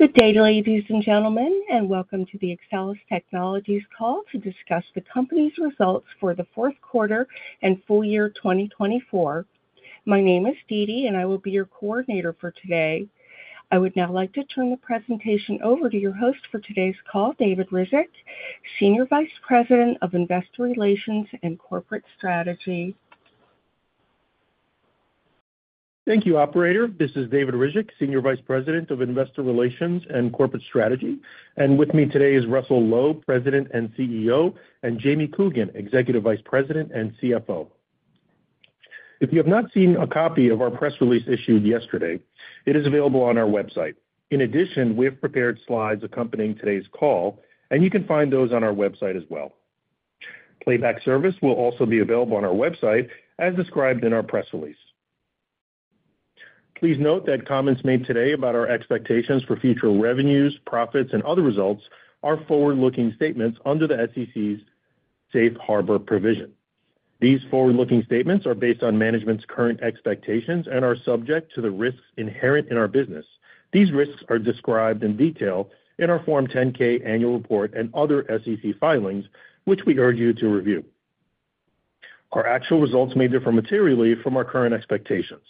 Good day, ladies and gentlemen, and welcome to the Axcelis Technologies call to discuss the company's results for the fourth quarter and full year 2024. My name is Dee Dee, and I will be your coordinator for today. I would now like to turn the presentation over to your host for today's call, David Ryzhik, Senior Vice President of Investor Relations and Corporate Strategy. Thank you, Operator. This is David Ryzhik, Senior Vice President of Investor Relations and Corporate Strategy. And with me today is Russell Low, President and CEO, and Jamie Coogan, Executive Vice President and CFO. If you have not seen a copy of our press release issued yesterday, it is available on our website. In addition, we have prepared slides accompanying today's call, and you can find those on our website as well. Playback service will also be available on our website, as described in our press release. Please note that comments made today about our expectations for future revenues, profits, and other results are forward-looking statements under the SEC's Safe Harbor provision. These forward-looking statements are based on management's current expectations and are subject to the risks inherent in our business. These risks are described in detail in our Form 10-K annual report and other SEC filings, which we urge you to review. Our actual results may differ materially from our current expectations.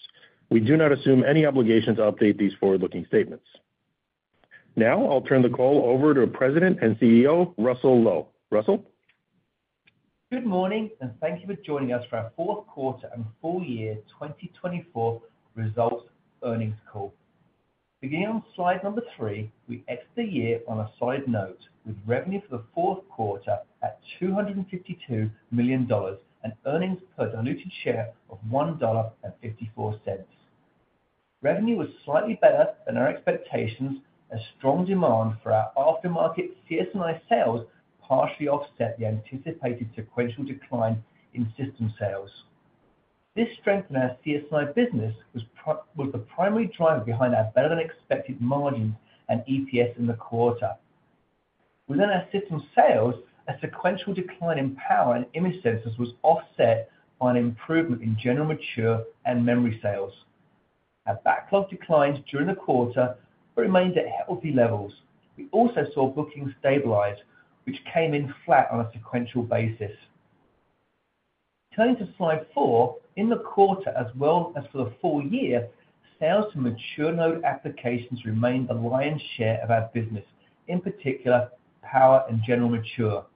We do not assume any obligation to update these forward-looking statements. Now, I'll turn the call over to President and CEO Russell Low. Russell. Good morning, and thank you for joining us for our fourth quarter and full year 2024 results earnings call. Beginning on slide number three, we exit the year on a high note with revenue for the fourth quarter at $252 million and earnings per diluted share of $1.54. Revenue was slightly better than our expectations, as strong demand for our aftermarket CS&I sales partially offset the anticipated sequential decline in system sales. This strength in our CS&I business was the primary driver behind our better-than-expected margins and EPS in the quarter. Within our system sales, a sequential decline in power and image sensors was offset by an improvement in general mature and memory sales. Our backlog declined during the quarter, but remained at healthy levels. We also saw bookings stabilize, which came in flat on a sequential basis. Turning to slide four, in the quarter as well as for the full year, sales to mature node applications remained the lion's share of our business, in particular power and general mature.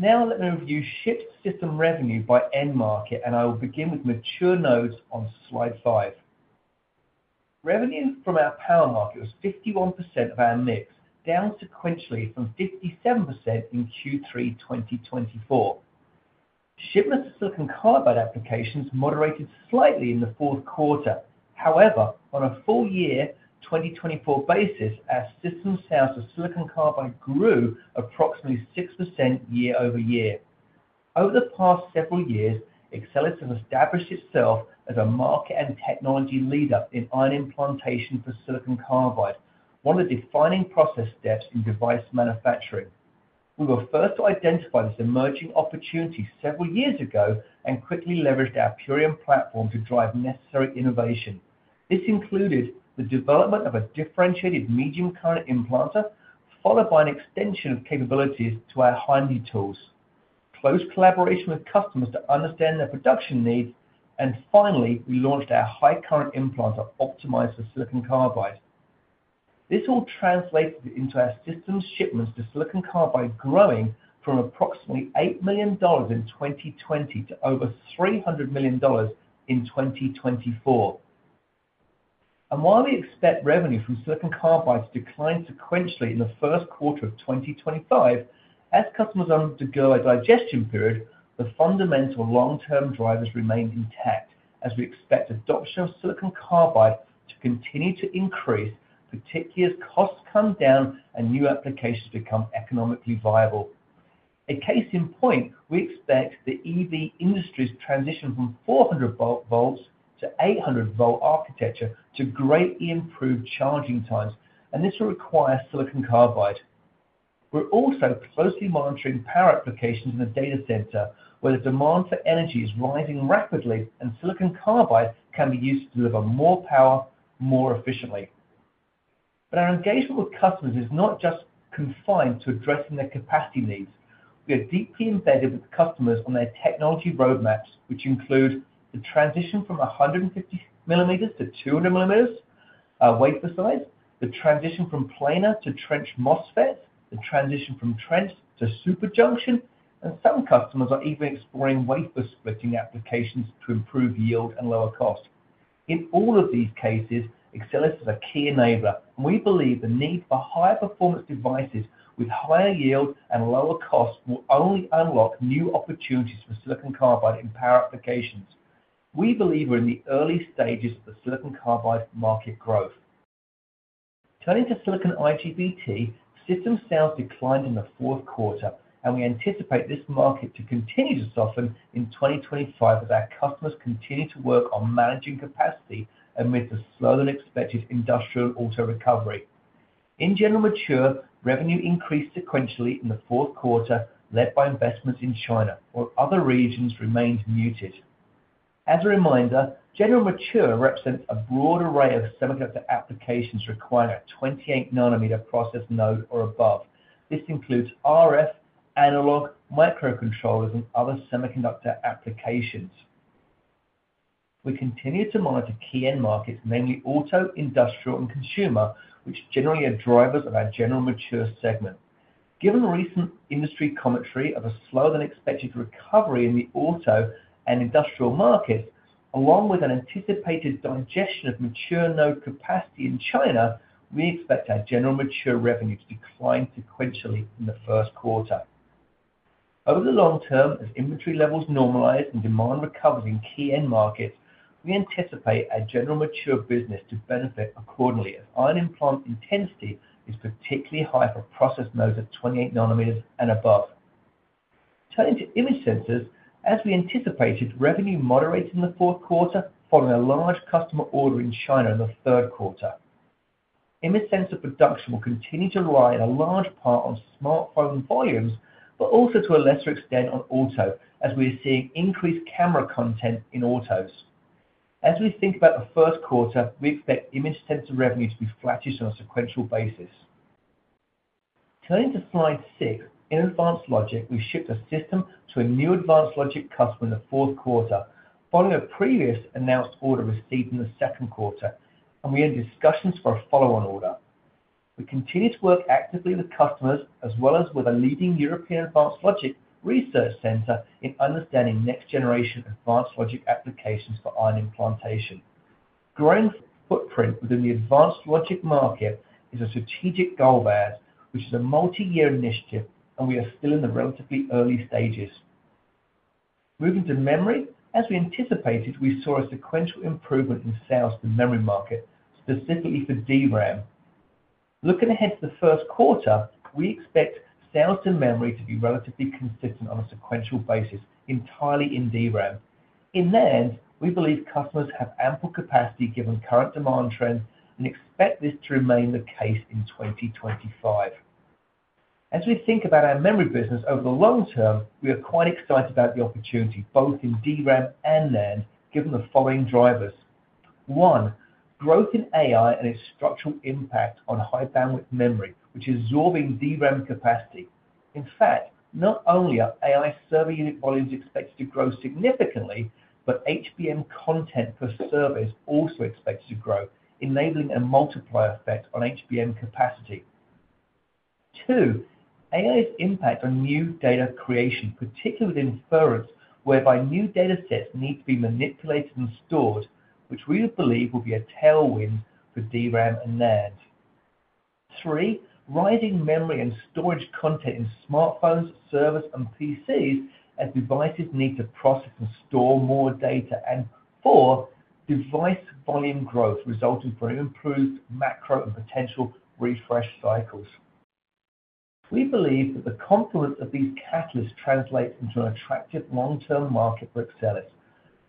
Now, let me review shipped system revenue by end market, and I will begin with mature nodes on slide five. Revenue from our power market was 51% of our mix, down sequentially from 57% in Q3 2024. Shipments to silicon carbide applications moderated slightly in the fourth quarter. However, on a full year 2024 basis, our system sales for silicon carbide grew approximately 6% year over year. Over the past several years, Axcelis has established itself as a market and technology leader in ion implantation for silicon carbide, one of the defining process steps in device manufacturing. We were first to identify this emerging opportunity several years ago and quickly leveraged our Purion platform to drive necessary innovation. This included the development of a differentiated medium current implanter, followed by an extension of capabilities to our high-energy tools, close collaboration with customers to understand their production needs, and finally, we launched our high current implanter optimized for silicon carbide. This all translated into our system shipments to silicon carbide growing from approximately $8 million in 2020 to over $300 million in 2024, and while we expect revenue from silicon carbide to decline sequentially in the first quarter of 2025, as customers undergo a digestion period, the fundamental long-term drivers remain intact, as we expect adoption of silicon carbide to continue to increase, particularly as costs come down and new applications become economically viable. A case in point, we expect the EV industry's transition from 400 V to 800 V architecture to greatly improve charging times, and this will require silicon carbide. We're also closely monitoring power applications in the data center, where the demand for energy is rising rapidly, and silicon carbide can be used to deliver more power more efficiently. But our engagement with customers is not just confined to addressing their capacity needs. We are deeply embedded with customers on their technology roadmaps, which include the transition from 150 mm to 200 mm, our wafer size, the transition from planar to trench MOSFETs, the transition from trench to superjunction, and some customers are even exploring wafer splitting applications to improve yield and lower cost. In all of these cases, Axcelis is a key enabler, and we believe the need for higher performance devices with higher yield and lower cost will only unlock new opportunities for silicon carbide in power applications. We believe we're in the early stages of the silicon carbide market growth. Turning to silicon IGBT, system sales declined in the fourth quarter, and we anticipate this market to continue to soften in 2025 as our customers continue to work on managing capacity amidst a slower-than-expected industrial auto recovery. In general mature, revenue increased sequentially in the fourth quarter, led by investments in China, while other regions remained muted. As a reminder, general mature represents a broad array of semiconductor applications requiring a 28 nm process node or above. This includes RF, analog, microcontrollers, and other semiconductor applications. We continue to monitor key end markets, namely auto, industrial, and consumer, which generally are drivers of our general mature segment. Given recent industry commentary of a slower-than-expected recovery in the auto and industrial markets, along with an anticipated digestion of mature node capacity in China, we expect our general mature revenue to decline sequentially in the first quarter. Over the long term, as inventory levels normalize and demand recovers in key end markets, we anticipate our general mature business to benefit accordingly as ion implant intensity is particularly high for process nodes at 28 nm and above. Turning to image sensors, as we anticipated, revenue moderated in the fourth quarter, following a large customer order in China in the third quarter. Image sensor production will continue to rely on a large part on smartphone volumes, but also to a lesser extent on auto, as we are seeing increased camera content in autos. As we think about the first quarter, we expect image sensor revenue to be flattish on a sequential basis. Turning to slide six, in advanced logic, we shipped a system to a new advanced logic customer in the fourth quarter, following a previously announced order received in the second quarter, and we had discussions for a follow-on order. We continue to work actively with customers, as well as with a leading European advanced logic research center, in understanding next-generation advanced logic applications for ion implantation. Growing footprint within the advanced logic market is a strategic goal of ours, which is a multi-year initiative, and we are still in the relatively early stages. Moving to memory, as we anticipated, we saw a sequential improvement in sales to memory market, specifically for DRAM. Looking ahead to the first quarter, we expect sales to memory to be relatively consistent on a sequential basis, entirely in DRAM. In NAND, we believe customers have ample capacity given current demand trends and expect this to remain the case in 2025. As we think about our memory business over the long term, we are quite excited about the opportunity, both in DRAM and NAND, given the following drivers: one, growth in AI and its structural impact on high bandwidth memory, which is absorbing DRAM capacity. In fact, not only are AI server unit volumes expected to grow significantly, but HBM content per server is also expected to grow, enabling a multiplier effect on HBM capacity. Two, AI's impact on new data creation, particularly with inference, whereby new data sets need to be manipulated and stored, which we believe will be a tailwind for DRAM and NAND. Three, rising memory and storage content in smartphones, servers, and PCs as devices need to process and store more data, and four, device volume growth resulting from improved macro and potential refresh cycles. We believe that the confluence of these catalysts translates into an attractive long-term market for Axcelis,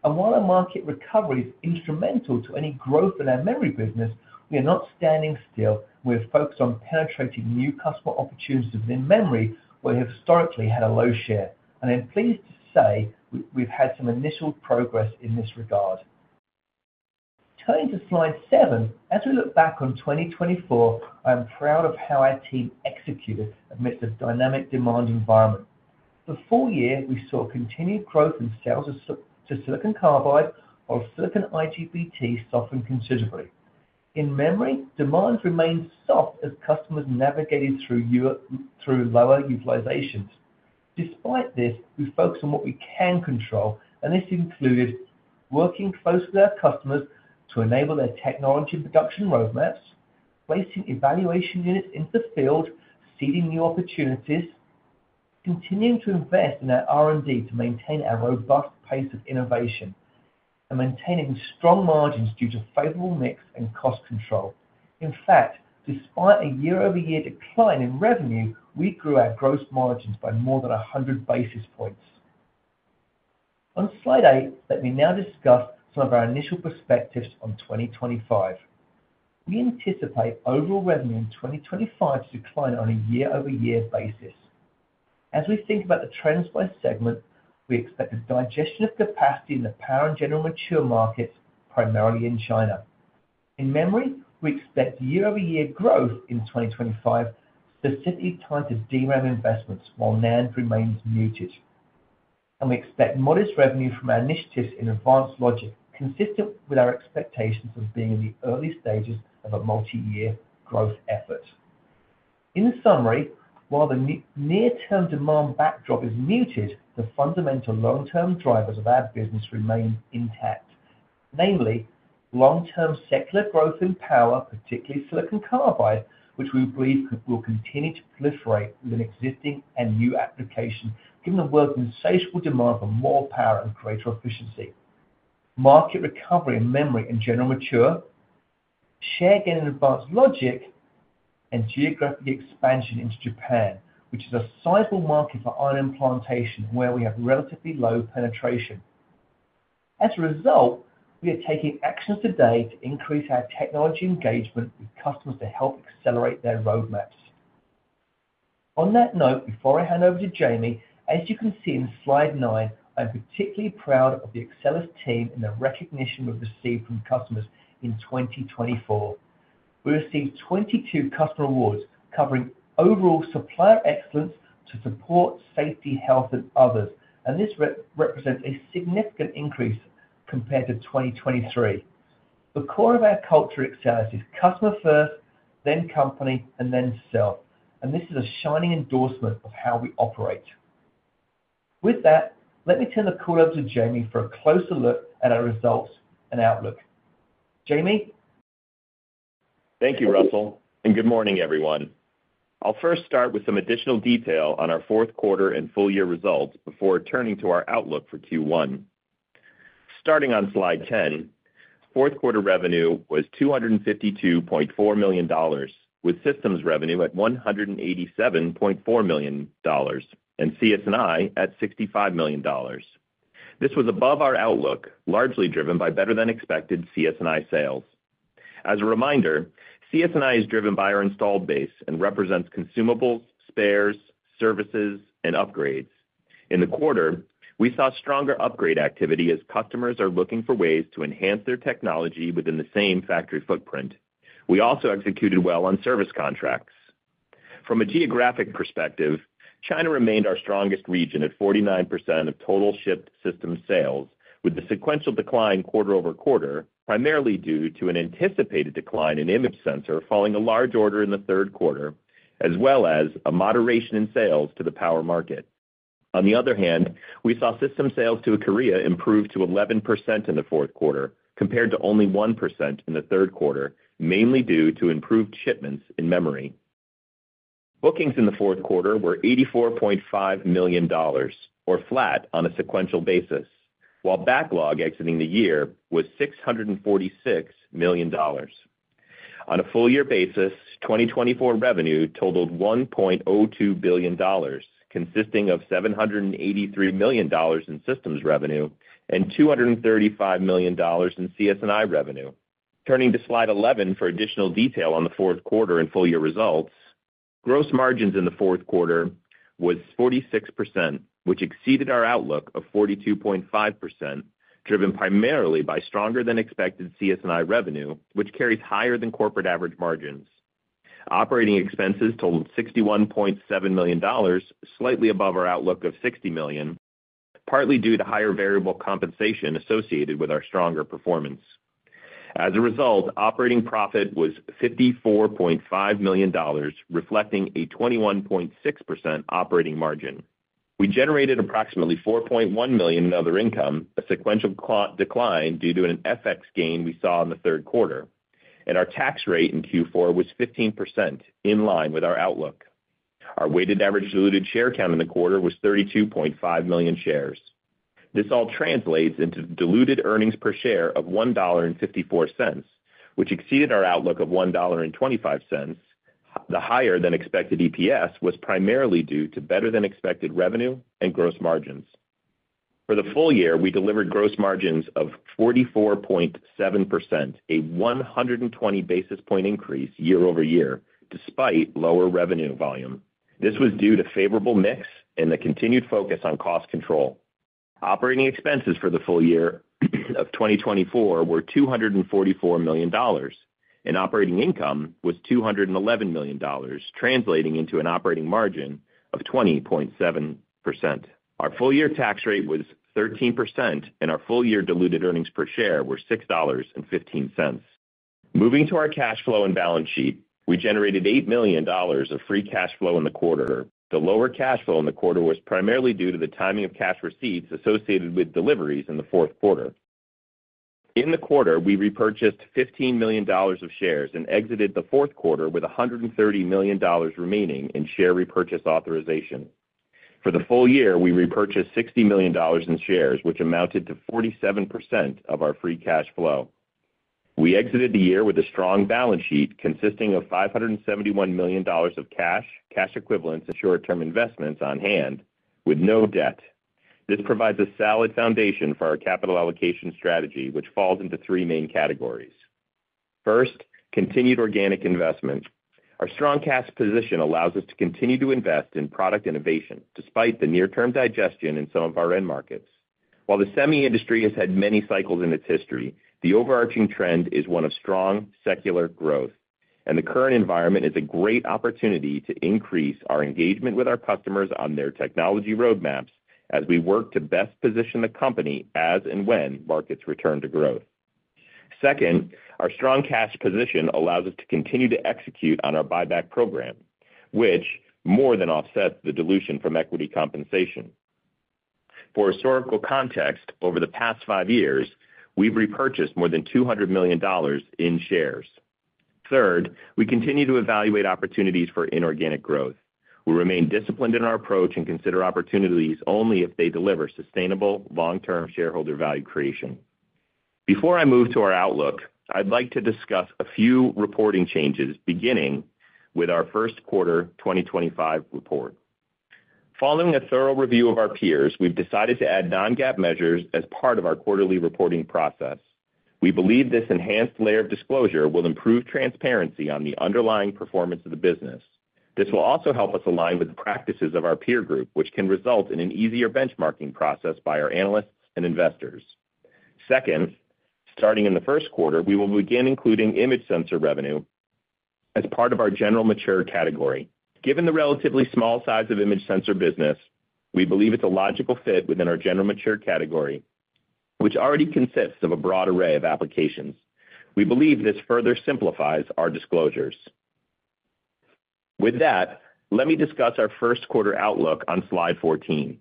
and while a market recovery is instrumental to any growth in our memory business, we are not standing still. We are focused on penetrating new customer opportunities within memory, where we historically had a low share, and I'm pleased to say we've had some initial progress in this regard. Turning to slide seven, as we look back on 2024, I am proud of how our team executed amidst a dynamic demand environment. For the full year we saw continued growth in sales to silicon carbide, while silicon IGBT softened considerably. In memory, demand remained soft as customers navigated through lower utilizations. Despite this, we focused on what we can control, and this included working closely with our customers to enable their technology and production roadmaps, placing evaluation units into the field, seeding new opportunities, continuing to invest in our R&D to maintain our robust pace of innovation, and maintaining strong margins due to favorable mix and cost control. In fact, despite a year-over-year decline in revenue, we grew our gross margins by more than 100 basis points. On slide eight, let me now discuss some of our initial perspectives on 2025. We anticipate overall revenue in 2025 to decline on a year-over-year basis. As we think about the trends by segment, we expect a digestion of capacity in the power and general mature markets, primarily in China. In memory, we expect year-over-year growth in 2025, specifically tied to DRAM investments, while NAND remains muted. And we expect modest revenue from our initiatives in advanced logic, consistent with our expectations of being in the early stages of a multi-year growth effort. In summary, while the near-term demand backdrop is muted, the fundamental long-term drivers of our business remain intact, namely long-term secular growth in power, particularly silicon carbide, which we believe will continue to proliferate within existing and new applications, given the world's insatiable demand for more power and greater efficiency. Market recovery in memory and general mature, share again in advanced logic, and geographic expansion into Japan, which is a sizable market for ion implantation, where we have relatively low penetration. As a result, we are taking actions today to increase our technology engagement with customers to help accelerate their roadmaps. On that note, before I hand over to Jamie, as you can see in slide nine, I'm particularly proud of the Axcelis team and the recognition we've received from customers in 2024. We received 22 customer awards covering overall supplier excellence to support safety, health, and others, and this represents a significant increase compared to 2023. The core of our culture at Axcelis is customer first, then company, and then self, and this is a shining endorsement of how we operate. With that, let me turn the call over to Jamie for a closer look at our results and outlook. Jamie. Thank you, Russell, and good morning, everyone. I'll first start with some additional detail on our fourth quarter and full year results before turning to our outlook for Q1. Starting on slide 10, fourth quarter revenue was $252.4 million, with systems revenue at $187.4 million and CS&I at $65 million. This was above our outlook, largely driven by better-than-expected CS&I sales. As a reminder, CS&I is driven by our installed base and represents consumables, spares, services, and upgrades. In the quarter, we saw stronger upgrade activity as customers are looking for ways to enhance their technology within the same factory footprint. We also executed well on service contracts. From a geographic perspective, China remained our strongest region at 49% of total shipped system sales, with the sequential decline quarter over quarter, primarily due to an anticipated decline in image sensor following a large order in the third quarter, as well as a moderation in sales to the power market. On the other hand, we saw system sales to Korea improved to 11% in the fourth quarter, compared to only 1% in the third quarter, mainly due to improved shipments in memory. Bookings in the fourth quarter were $84.5 million, or flat on a sequential basis, while backlog exiting the year was $646 million. On a full year basis, 2024 revenue totaled $1.02 billion, consisting of $783 million in systems revenue and $235 million in CS&I revenue. Turning to slide 11 for additional detail on the fourth quarter and full year results, gross margins in the fourth quarter was 46%, which exceeded our outlook of 42.5%, driven primarily by stronger-than-expected CS&I revenue, which carries higher-than-corporate average margins. Operating expenses totaled $61.7 million, slightly above our outlook of $60 million, partly due to higher variable compensation associated with our stronger performance. As a result, operating profit was $54.5 million, reflecting a 21.6% operating margin. We generated approximately $4.1 million in other income, a sequential decline due to an FX gain we saw in the third quarter. Our tax rate in Q4 was 15%, in line with our outlook. Our weighted average diluted share count in the quarter was 32.5 million shares. This all translates into diluted earnings per share of $1.54, which exceeded our outlook of $1.25. The higher-than-expected EPS was primarily due to better-than-expected revenue and gross margins. For the full year, we delivered gross margins of 44.7%, a 120 basis points increase year-over-year, despite lower revenue volume. This was due to favorable mix and the continued focus on cost control. Operating expenses for the full year of 2024 were $244 million, and operating income was $211 million, translating into an operating margin of 20.7%. Our full year tax rate was 13%, and our full year diluted earnings per share were $6.15. Moving to our cash flow and balance sheet, we generated $8 million of free cash flow in the quarter. The lower cash flow in the quarter was primarily due to the timing of cash receipts associated with deliveries in the fourth quarter. In the quarter, we repurchased $15 million of shares and exited the fourth quarter with $130 million remaining in share repurchase authorization. For the full year, we repurchased $60 million in shares, which amounted to 47% of our free cash flow. We exited the year with a strong balance sheet consisting of $571 million of cash, cash equivalents, and short-term investments on hand, with no debt. This provides a solid foundation for our capital allocation strategy, which falls into three main categories. First, continued organic investment. Our strong cash position allows us to continue to invest in product innovation, despite the near-term digestion in some of our end markets. While the semi industry has had many cycles in its history, the overarching trend is one of strong secular growth, and the current environment is a great opportunity to increase our engagement with our customers on their technology roadmaps as we work to best position the company as and when markets return to growth. Second, our strong cash position allows us to continue to execute on our buyback program, which more than offsets the dilution from equity compensation. For historical context, over the past five years, we've repurchased more than $200 million in shares. Third, we continue to evaluate opportunities for inorganic growth. We remain disciplined in our approach and consider opportunities only if they deliver sustainable long-term shareholder value creation. Before I move to our outlook, I'd like to discuss a few reporting changes, beginning with our first quarter 2025 report. Following a thorough review of our peers, we've decided to add non-GAAP measures as part of our quarterly reporting process. We believe this enhanced layer of disclosure will improve transparency on the underlying performance of the business. This will also help us align with the practices of our peer group, which can result in an easier benchmarking process by our analysts and investors. Second, starting in the first quarter, we will begin including image sensor revenue as part of our general mature category. Given the relatively small size of image sensor business, we believe it's a logical fit within our general mature category, which already consists of a broad array of applications. We believe this further simplifies our disclosures. With that, let me discuss our first quarter outlook on slide 14.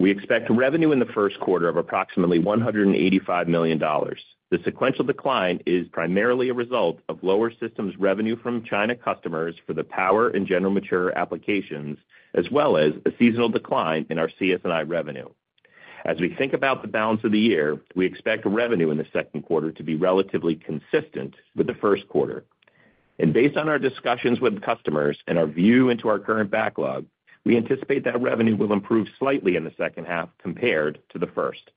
We expect revenue in the first quarter of approximately $185 million. The sequential decline is primarily a result of lower systems revenue from China customers for the power and general mature applications, as well as a seasonal decline in our CS&I revenue. As we think about the balance of the year, we expect revenue in the second quarter to be relatively consistent with the first quarter, and based on our discussions with customers and our view into our current backlog, we anticipate that revenue will improve slightly in the second half compared to the first.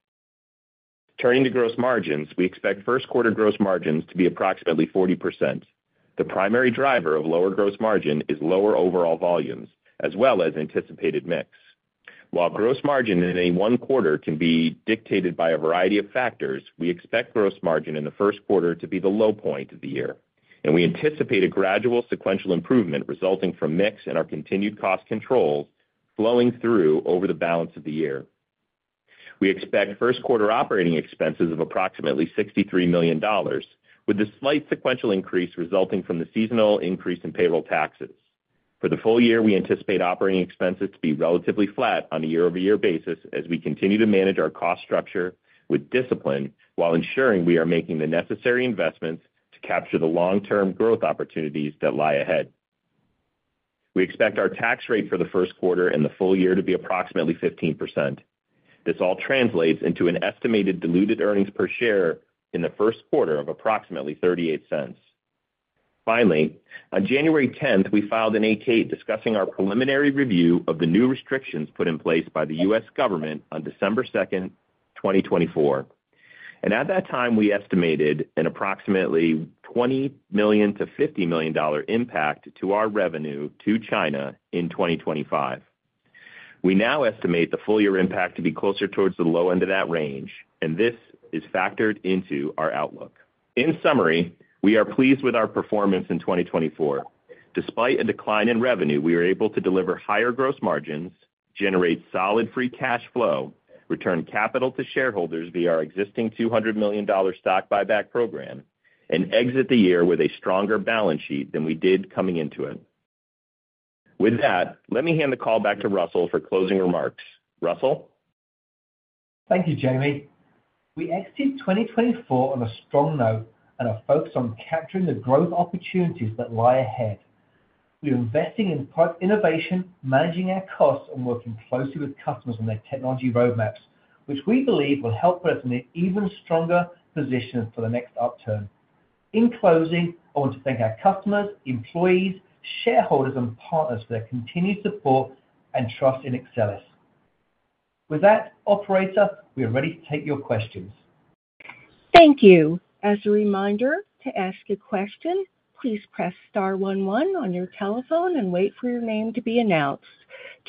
Turning to gross margins, we expect first quarter gross margins to be approximately 40%. The primary driver of lower gross margin is lower overall volumes, as well as anticipated mix. While gross margin in one quarter can be dictated by a variety of factors, we expect gross margin in the first quarter to be the low point of the year, and we anticipate a gradual sequential improvement resulting from mix and our continued cost controls flowing through over the balance of the year. We expect first quarter operating expenses of approximately $63 million, with a slight sequential increase resulting from the seasonal increase in payroll taxes. For the full year, we anticipate operating expenses to be relatively flat on a year-over-year basis as we continue to manage our cost structure with discipline while ensuring we are making the necessary investments to capture the long-term growth opportunities that lie ahead. We expect our tax rate for the first quarter and the full year to be approximately 15%. This all translates into an estimated diluted earnings per share in the first quarter of approximately $0.38. Finally, on January 10th, we filed an 8-K discussing our preliminary review of the new restrictions put in place by the U.S. government on December 2nd, 2024, and at that time, we estimated an approximately $20 million-$50 million impact to our revenue to China in 2025. We now estimate the full year impact to be closer towards the low end of that range, and this is factored into our outlook. In summary, we are pleased with our performance in 2024. Despite a decline in revenue, we were able to deliver higher gross margins, generate solid free cash flow, return capital to shareholders via our existing $200 million stock buyback program, and exit the year with a stronger balance sheet than we did coming into it. With that, let me hand the call back to Russell for closing remarks. Russell? Thank you, Jamie. We exited 2024 on a strong note and are focused on capturing the growth opportunities that lie ahead. We are investing in innovation, managing our costs, and working closely with customers on their technology roadmaps, which we believe will help us in an even stronger position for the next upturn. In closing, I want to thank our customers, employees, shareholders, and partners for their continued support and trust in Axcelis. With that, operator, we are ready to take your questions. Thank you. As a reminder, to ask a question, please press star one one on your telephone and wait for your name to be announced.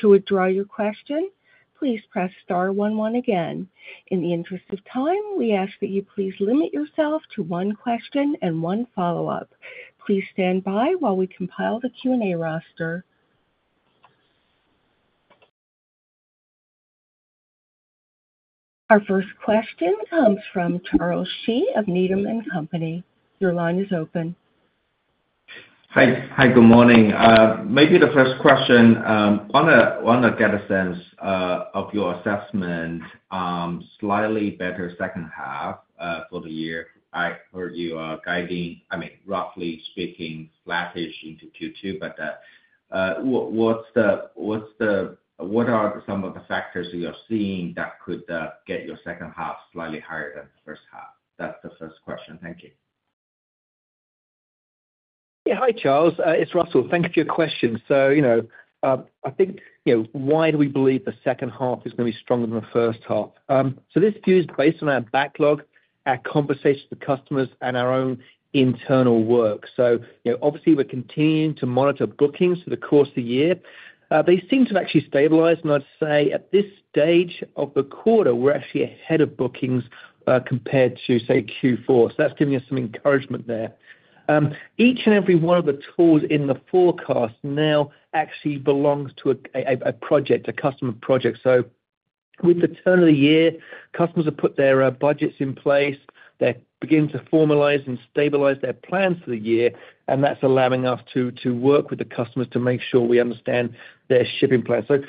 To withdraw your question, please press star one one again. In the interest of time, we ask that you please limit yourself to one question and one follow-up. Please stand by while we compile the Q&A roster. Our first question comes from Charles Shi of Needham & Company. Your line is open. Hi, good morning. Maybe the first question, I want to get a sense of your assessment, slightly better second half for the year. I heard you guiding, I mean, roughly speaking, flat-ish into Q2, but what are some of the factors you are seeing that could get your second half slightly higher than the first half? That's the first question. Thank you. Yeah, hi, Charles. It's Russell. Thank you for your question. So I think, why do we believe the second half is going to be stronger than the first half? So this view is based on our backlog, our conversations with customers, and our own internal work. So obviously, we're continuing to monitor bookings for the course of the year. They seem to have actually stabilized, and I'd say at this stage of the quarter, we're actually ahead of bookings compared to, say, Q4. So that's giving us some encouragement there. Each and every one of the tools in the forecast now actually belongs to a project, a customer project. So with the turn of the year, customers have put their budgets in place. They're beginning to formalize and stabilize their plans for the year, and that's allowing us to work with the customers to make sure we understand their shipping plan. So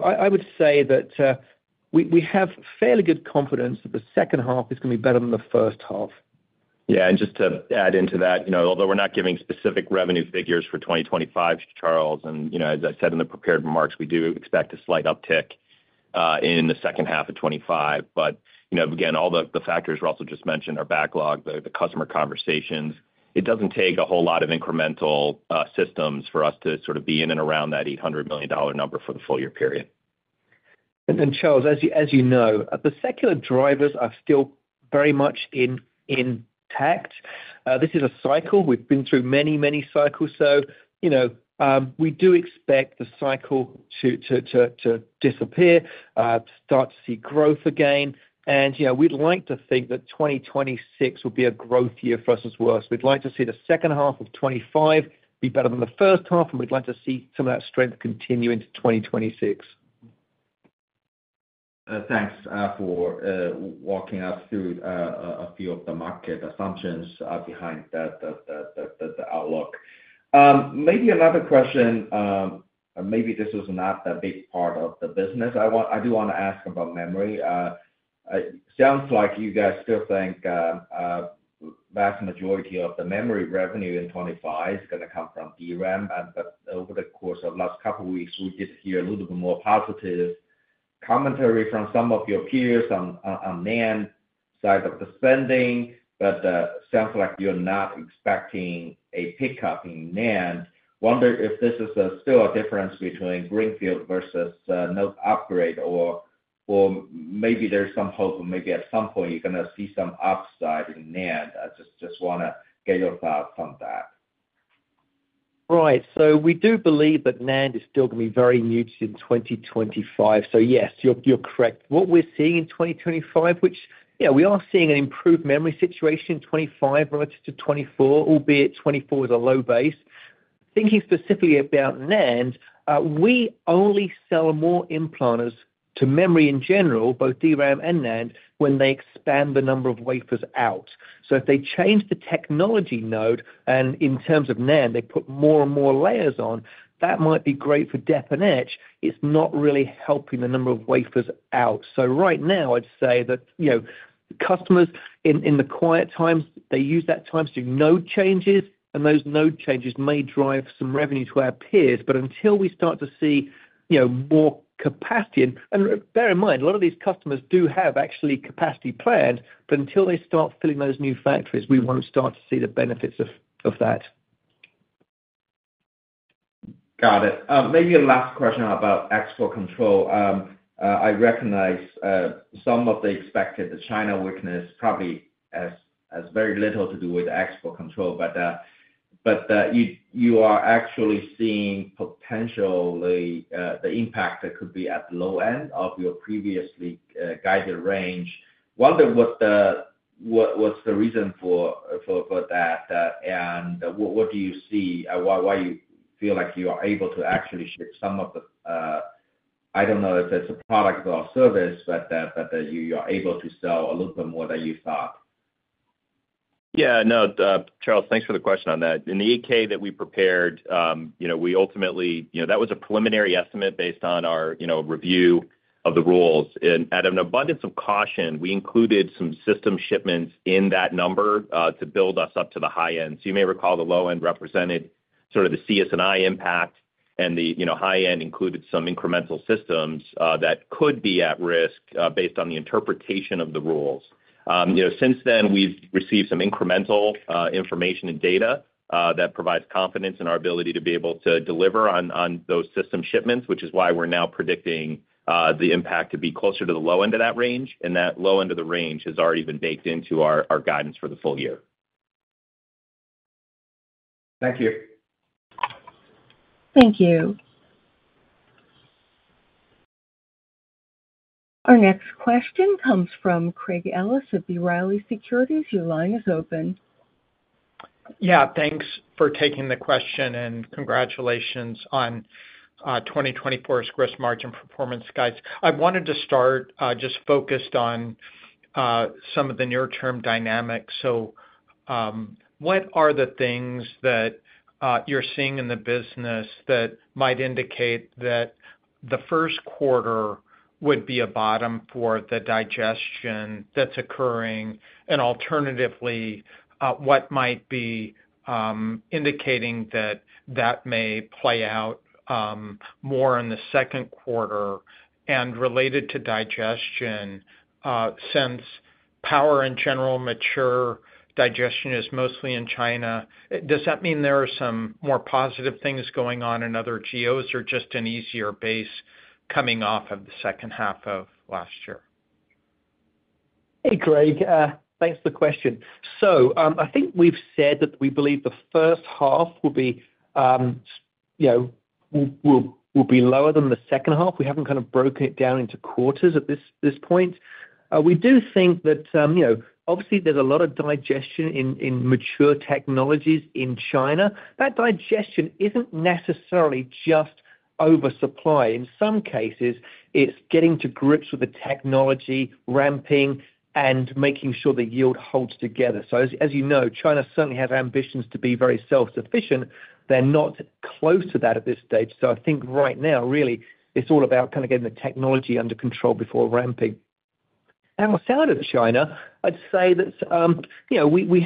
I would say that we have fairly good confidence that the second half is going to be better than the first half. Yeah, and just to add into that, although we're not giving specific revenue figures for 2025, Charles, and as I said in the prepared remarks, we do expect a slight uptick in the second half of 2025. But again, all the factors Russell just mentioned, our backlog, the customer conversations, it doesn't take a whole lot of incremental systems for us to sort of be in and around that $800 million number for the full year period. And then, Charles, as you know, the secular drivers are still very much intact. This is a cycle. We've been through many, many cycles. So we do expect the cycle to disappear, start to see growth again. And we'd like to think that 2026 will be a growth year for us as well. So we'd like to see the second half of 2025 be better than the first half, and we'd like to see some of that strength continue into 2026. Thanks for walking us through a few of the market assumptions behind the outlook. Maybe another question, maybe this is not a big part of the business. I do want to ask about memory. It sounds like you guys still think the vast majority of the memory revenue in 2025 is going to come from DRAM. But over the course of the last couple of weeks, we did hear a little bit more positive commentary from some of your peers on NAND side of the spending, but it sounds like you're not expecting a pickup in NAND. I wonder if this is still a difference between greenfield versus no upgrade, or maybe there's some hope of maybe at some point you're going to see some upside in NAND. I just want to get your thoughts on that. Right, we do believe that NAND is still going to be very new in 2025. Yes, you're correct. What we're seeing in 2025, which, yeah, we are seeing an improved memory situation in 2025 relative to 2024, albeit 2024 is a low base. Thinking specifically about NAND, we only sell more implanters to memory in general, both DRAM and NAND, when they expand the number of wafers out. If they change the technology node, and in terms of NAND, they put more and more layers on, that might be great for dep/etch. It's not really helping the number of wafers out. So right now, I'd say that customers in the quiet times, they use that time to do node changes, and those node changes may drive some revenue to our peers. But until we start to see more capacity, and bear in mind, a lot of these customers do have actually capacity planned, but until they start filling those new factories, we won't start to see the benefits of that. Got it. Maybe a last question about export control. I recognize some of the expected China weakness probably has very little to do with export control, but you are actually seeing potentially the impact that could be at the low end of your previously guided range. I wonder what's the reason for that, and what do you see? Why do you feel like you are able to actually ship some of the, I don't know if it's a product or service, but that you are able to sell a little bit more than you thought? Yeah, no, Charles, thanks for the question on that. In the Form 8-K that we prepared, we ultimately that was a preliminary estimate based on our review of the rules. Out of an abundance of caution, we included some system shipments in that number to build us up to the high end. So you may recall the low end represented sort of the CS&I impact, and the high end included some incremental systems that could be at risk based on the interpretation of the rules. Since then, we've received some incremental information and data that provides confidence in our ability to be able to deliver on those system shipments, which is why we're now predicting the impact to be closer to the low end of that range. And that low end of the range has already been baked into our guidance for the full year. Thank you. Thank you. Our next question comes from Craig Ellis of B. Riley Securities. Your line is open. Yeah, thanks for taking the question, and congratulations on 2024's gross margin performance, guys. I wanted to start just focused on some of the near-term dynamics. So what are the things that you're seeing in the business that might indicate that the first quarter would be a bottom for the digestion that's occurring? And alternatively, what might be indicating that that may play out more in the second quarter? Related to digestion, since power and general mature digestion is mostly in China, does that mean there are some more positive things going on in other geos or just an easier base coming off of the second half of last year? Hey, Craig, thanks for the question. So I think we've said that we believe the first half will be lower than the second half. We haven't kind of broken it down into quarters at this point. We do think that, obviously, there's a lot of digestion in mature technologies in China. That digestion isn't necessarily just oversupply. In some cases, it's getting to grips with the technology, ramping, and making sure the yield holds together. So as you know, China certainly has ambitions to be very self-sufficient. They're not close to that at this stage. So I think right now, really, it's all about kind of getting the technology under control before ramping. And on the side of China, I'd say that we've,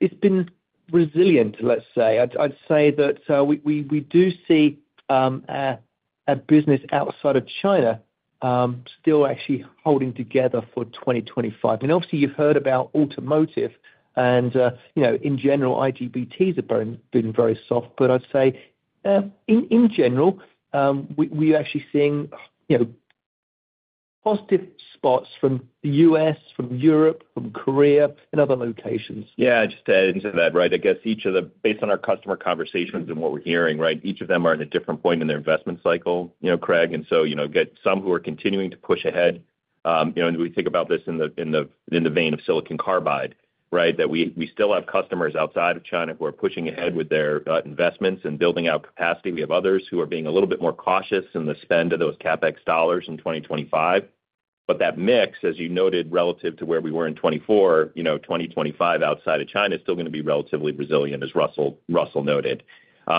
it's been resilient, let's say. I'd say that we do see a business outside of China still actually holding together for 2025. And obviously, you've heard about automotive, and in general, IGBTs have been very soft. But I'd say, in general, we're actually seeing positive spots from the U.S., from Europe, from Korea, and other locations. Yeah, just to add into that, right, I guess each of the, based on our customer conversations and what we're hearing, right, each of them are at a different point in their investment cycle, Craig. And so we've got some who are continuing to push ahead. And we think about this in the vein of silicon carbide, right, that we still have customers outside of China who are pushing ahead with their investments and building out capacity. We have others who are being a little bit more cautious in the spend of those CapEx dollars in 2025. But that mix, as you noted, relative to where we were in 2024, 2025 outside of China is still going to be relatively resilient, as Russell noted.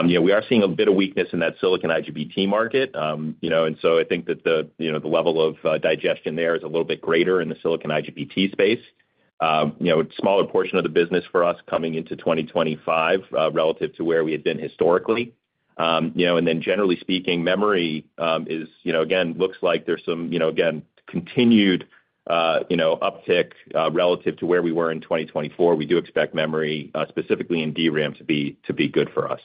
We are seeing a bit of weakness in that silicon IGBT market. And so I think that the level of digestion there is a little bit greater in the silicon IGBT space. A smaller portion of the business for us coming into 2025 relative to where we had been historically. And then, generally speaking, memory is, again, looks like there's some, again, continued uptick relative to where we were in 2024. We do expect memory, specifically in DRAM, to be good for us.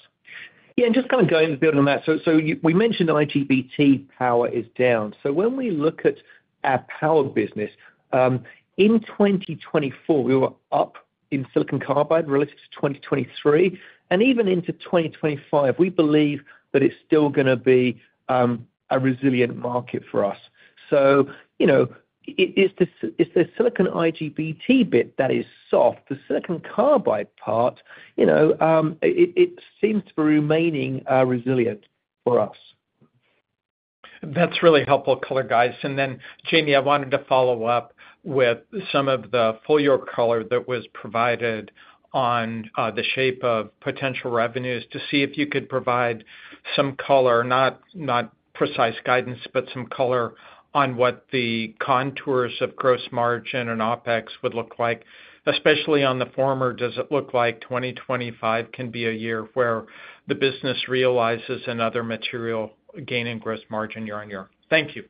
Yeah, and just kind of going on that. So we mentioned IGBT power is down. So when we look at our power business, in 2024, we were up in silicon carbide relative to 2023. And even into 2025, we believe that it's still going to be a resilient market for us. So it's the silicon IGBT bit that is soft. The silicon carbide part, it seems to be remaining resilient for us. That's really helpful color, guys. Jamie, I wanted to follow up with some of the full year color that was provided on the shape of potential revenues to see if you could provide some color, not precise guidance, but some color on what the contours of gross margin and OpEx would look like, especially on the former. Does it look like 2025 can be a year where the business realizes another material gain in gross margin year on year? Thank you.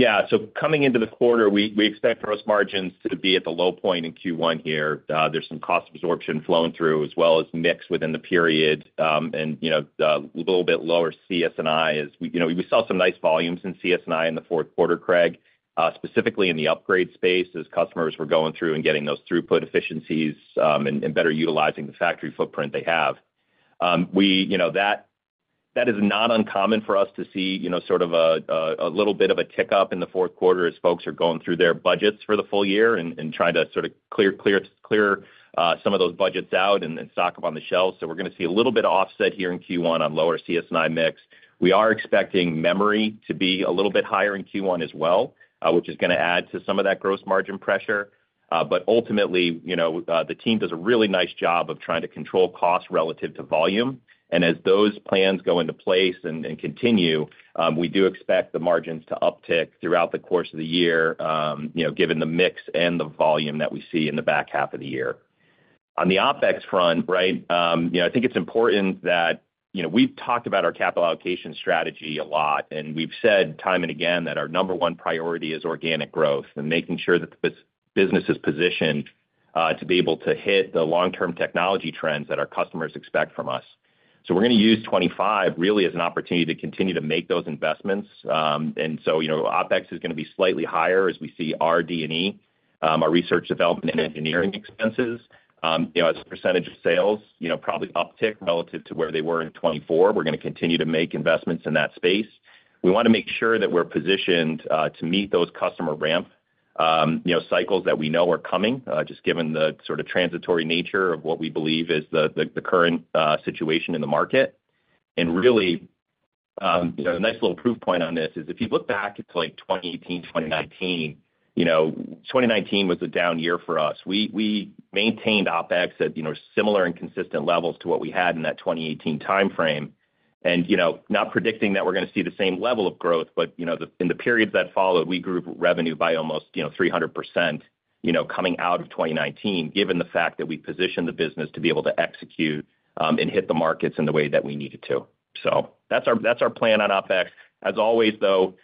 Yeah, so coming into the quarter, we expect gross margins to be at the low point in Q1 here. There's some cost absorption flowing through as well as mix within the period and a little bit lower CS&I as we saw some nice volumes in CS&I in the fourth quarter, Craig, specifically in the upgrade space as customers were going through and getting those throughput efficiencies and better utilizing the factory footprint they have. That is not uncommon for us to see sort of a little bit of a tick up in the fourth quarter as folks are going through their budgets for the full year and trying to sort of clear some of those budgets out and stock them on the shelf. So we're going to see a little bit of offset here in Q1 on lower CS&I mix. We are expecting memory to be a little bit higher in Q1 as well, which is going to add to some of that gross margin pressure. But ultimately, the team does a really nice job of trying to control cost relative to volume. And as those plans go into place and continue, we do expect the margins to uptick throughout the course of the year given the mix and the volume that we see in the back half of the year. On the OpEx front, right, I think it's important that we've talked about our capital allocation strategy a lot, and we've said time and again that our number one priority is organic growth and making sure that the business is positioned to be able to hit the long-term technology trends that our customers expect from us. So we're going to use 2025 really as an opportunity to continue to make those investments. And so OpEx is going to be slightly higher as we see RD&E, our research, development, and engineering expenses as a percentage of sales probably uptick relative to where they were in 2024. We're going to continue to make investments in that space. We want to make sure that we're positioned to meet those customer ramp cycles that we know are coming just given the sort of transitory nature of what we believe is the current situation in the market. And really, a nice little proof point on this is if you look back at 2018, 2019, 2019 was a down year for us. We maintained OpEx at similar and consistent levels to what we had in that 2018 timeframe. Not predicting that we're going to see the same level of growth, but in the periods that followed, we grew revenue by almost 300% coming out of 2019 given the fact that we positioned the business to be able to execute and hit the markets in the way that we needed to. So that's our plan on OpEx. As always, though,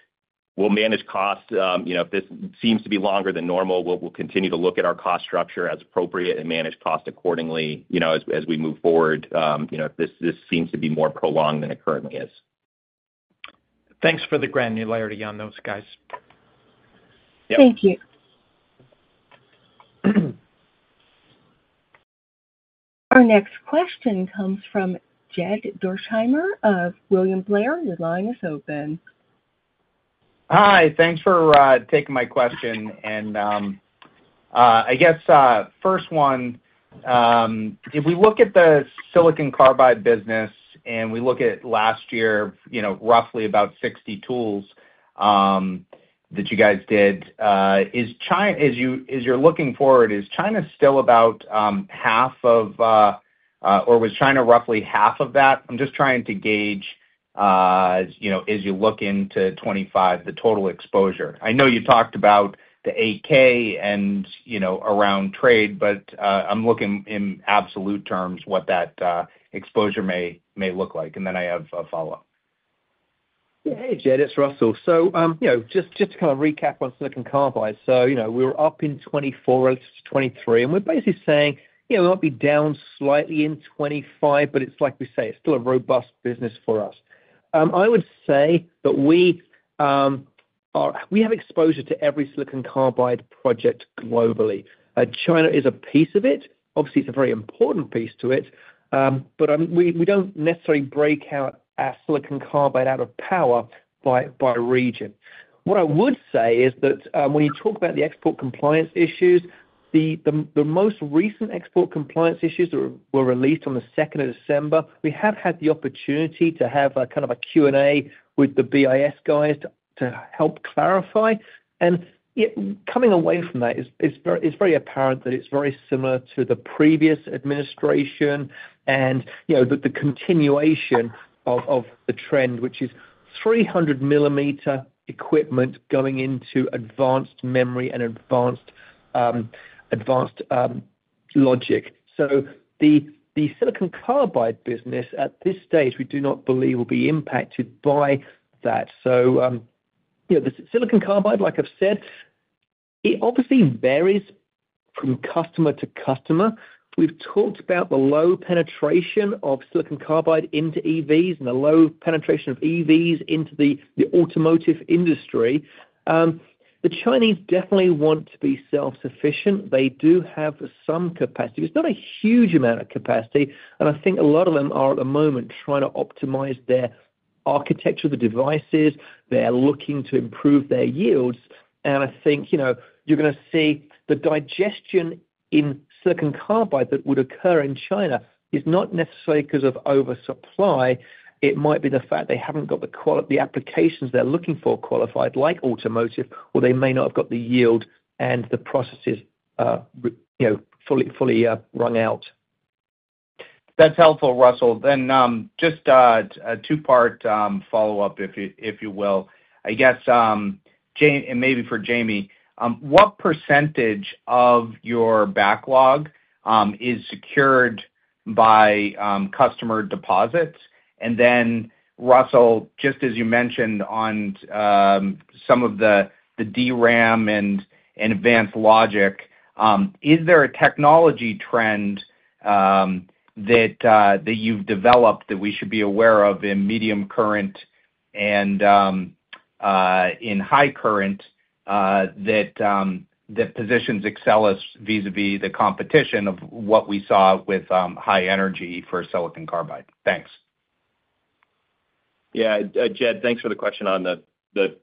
we'll manage costs. If this seems to be longer than normal, we'll continue to look at our cost structure as appropriate and manage cost accordingly as we move forward if this seems to be more prolonged than it currently is. Thanks for the granularity on those, guys. Thank you. Our next question comes from Jed Dorsheimer of William Blair. Your line is open. Hi, thanks for taking my question. And I guess first one, if we look at the silicon carbide business and we look at last year, roughly about 60 tools that you guys did, as you're looking forward, is China still about half of or was China roughly half of that? I'm just trying to gauge as you look into 2025, the total exposure. I know you talked about the 8-K and around trade, but I'm looking in absolute terms what that exposure may look like. And then I have a follow-up. Yeah, hey, Jed, it's Russell. So just to kind of recap on silicon carbide. So we were up in 2024 relative to 2023, and we're basically saying we might be down slightly in 2025, but it's like we say, it's still a robust business for us. I would say that we have exposure to every silicon carbide project globally. China is a piece of it. Obviously, it's a very important piece to it, but we don't necessarily break out our silicon carbide out of power by region. What I would say is that when you talk about the export compliance issues, the most recent export compliance issues that were released on the 2nd of December, we have had the opportunity to have kind of a Q&A with the BIS guys to help clarify, and coming away from that, it's very apparent that it's very similar to the previous administration and the continuation of the trend, which is 300 mm equipment going into advanced memory and advanced logic, so the silicon carbide business at this stage, we do not believe will be impacted by that, so the silicon carbide, like I've said, it obviously varies from customer to customer. We've talked about the low penetration of silicon carbide into EVs and the low penetration of EVs into the automotive industry. The Chinese definitely want to be self-sufficient. They do have some capacity. It's not a huge amount of capacity. And I think a lot of them are at the moment trying to optimize their architecture, the devices. They're looking to improve their yields. And I think you're going to see the digestion in silicon carbide that would occur in China is not necessarily because of oversupply. It might be the fact they haven't got the applications they're looking for qualified, like automotive, or they may not have got the yield and the processes fully wrung out. That's helpful, Russell. Then just a two-part follow-up, if you will. I guess, and maybe for Jamie, what percentage of your backlog is secured by customer deposits? Then, Russell, just as you mentioned on some of the DRAM and advanced logic, is there a technology trend that you've developed that we should be aware of in medium current and in high current that positions Axcelis vis-à-vis the competition of what we saw with high energy for silicon carbide? Thanks. Yeah, Jed, thanks for the question on that.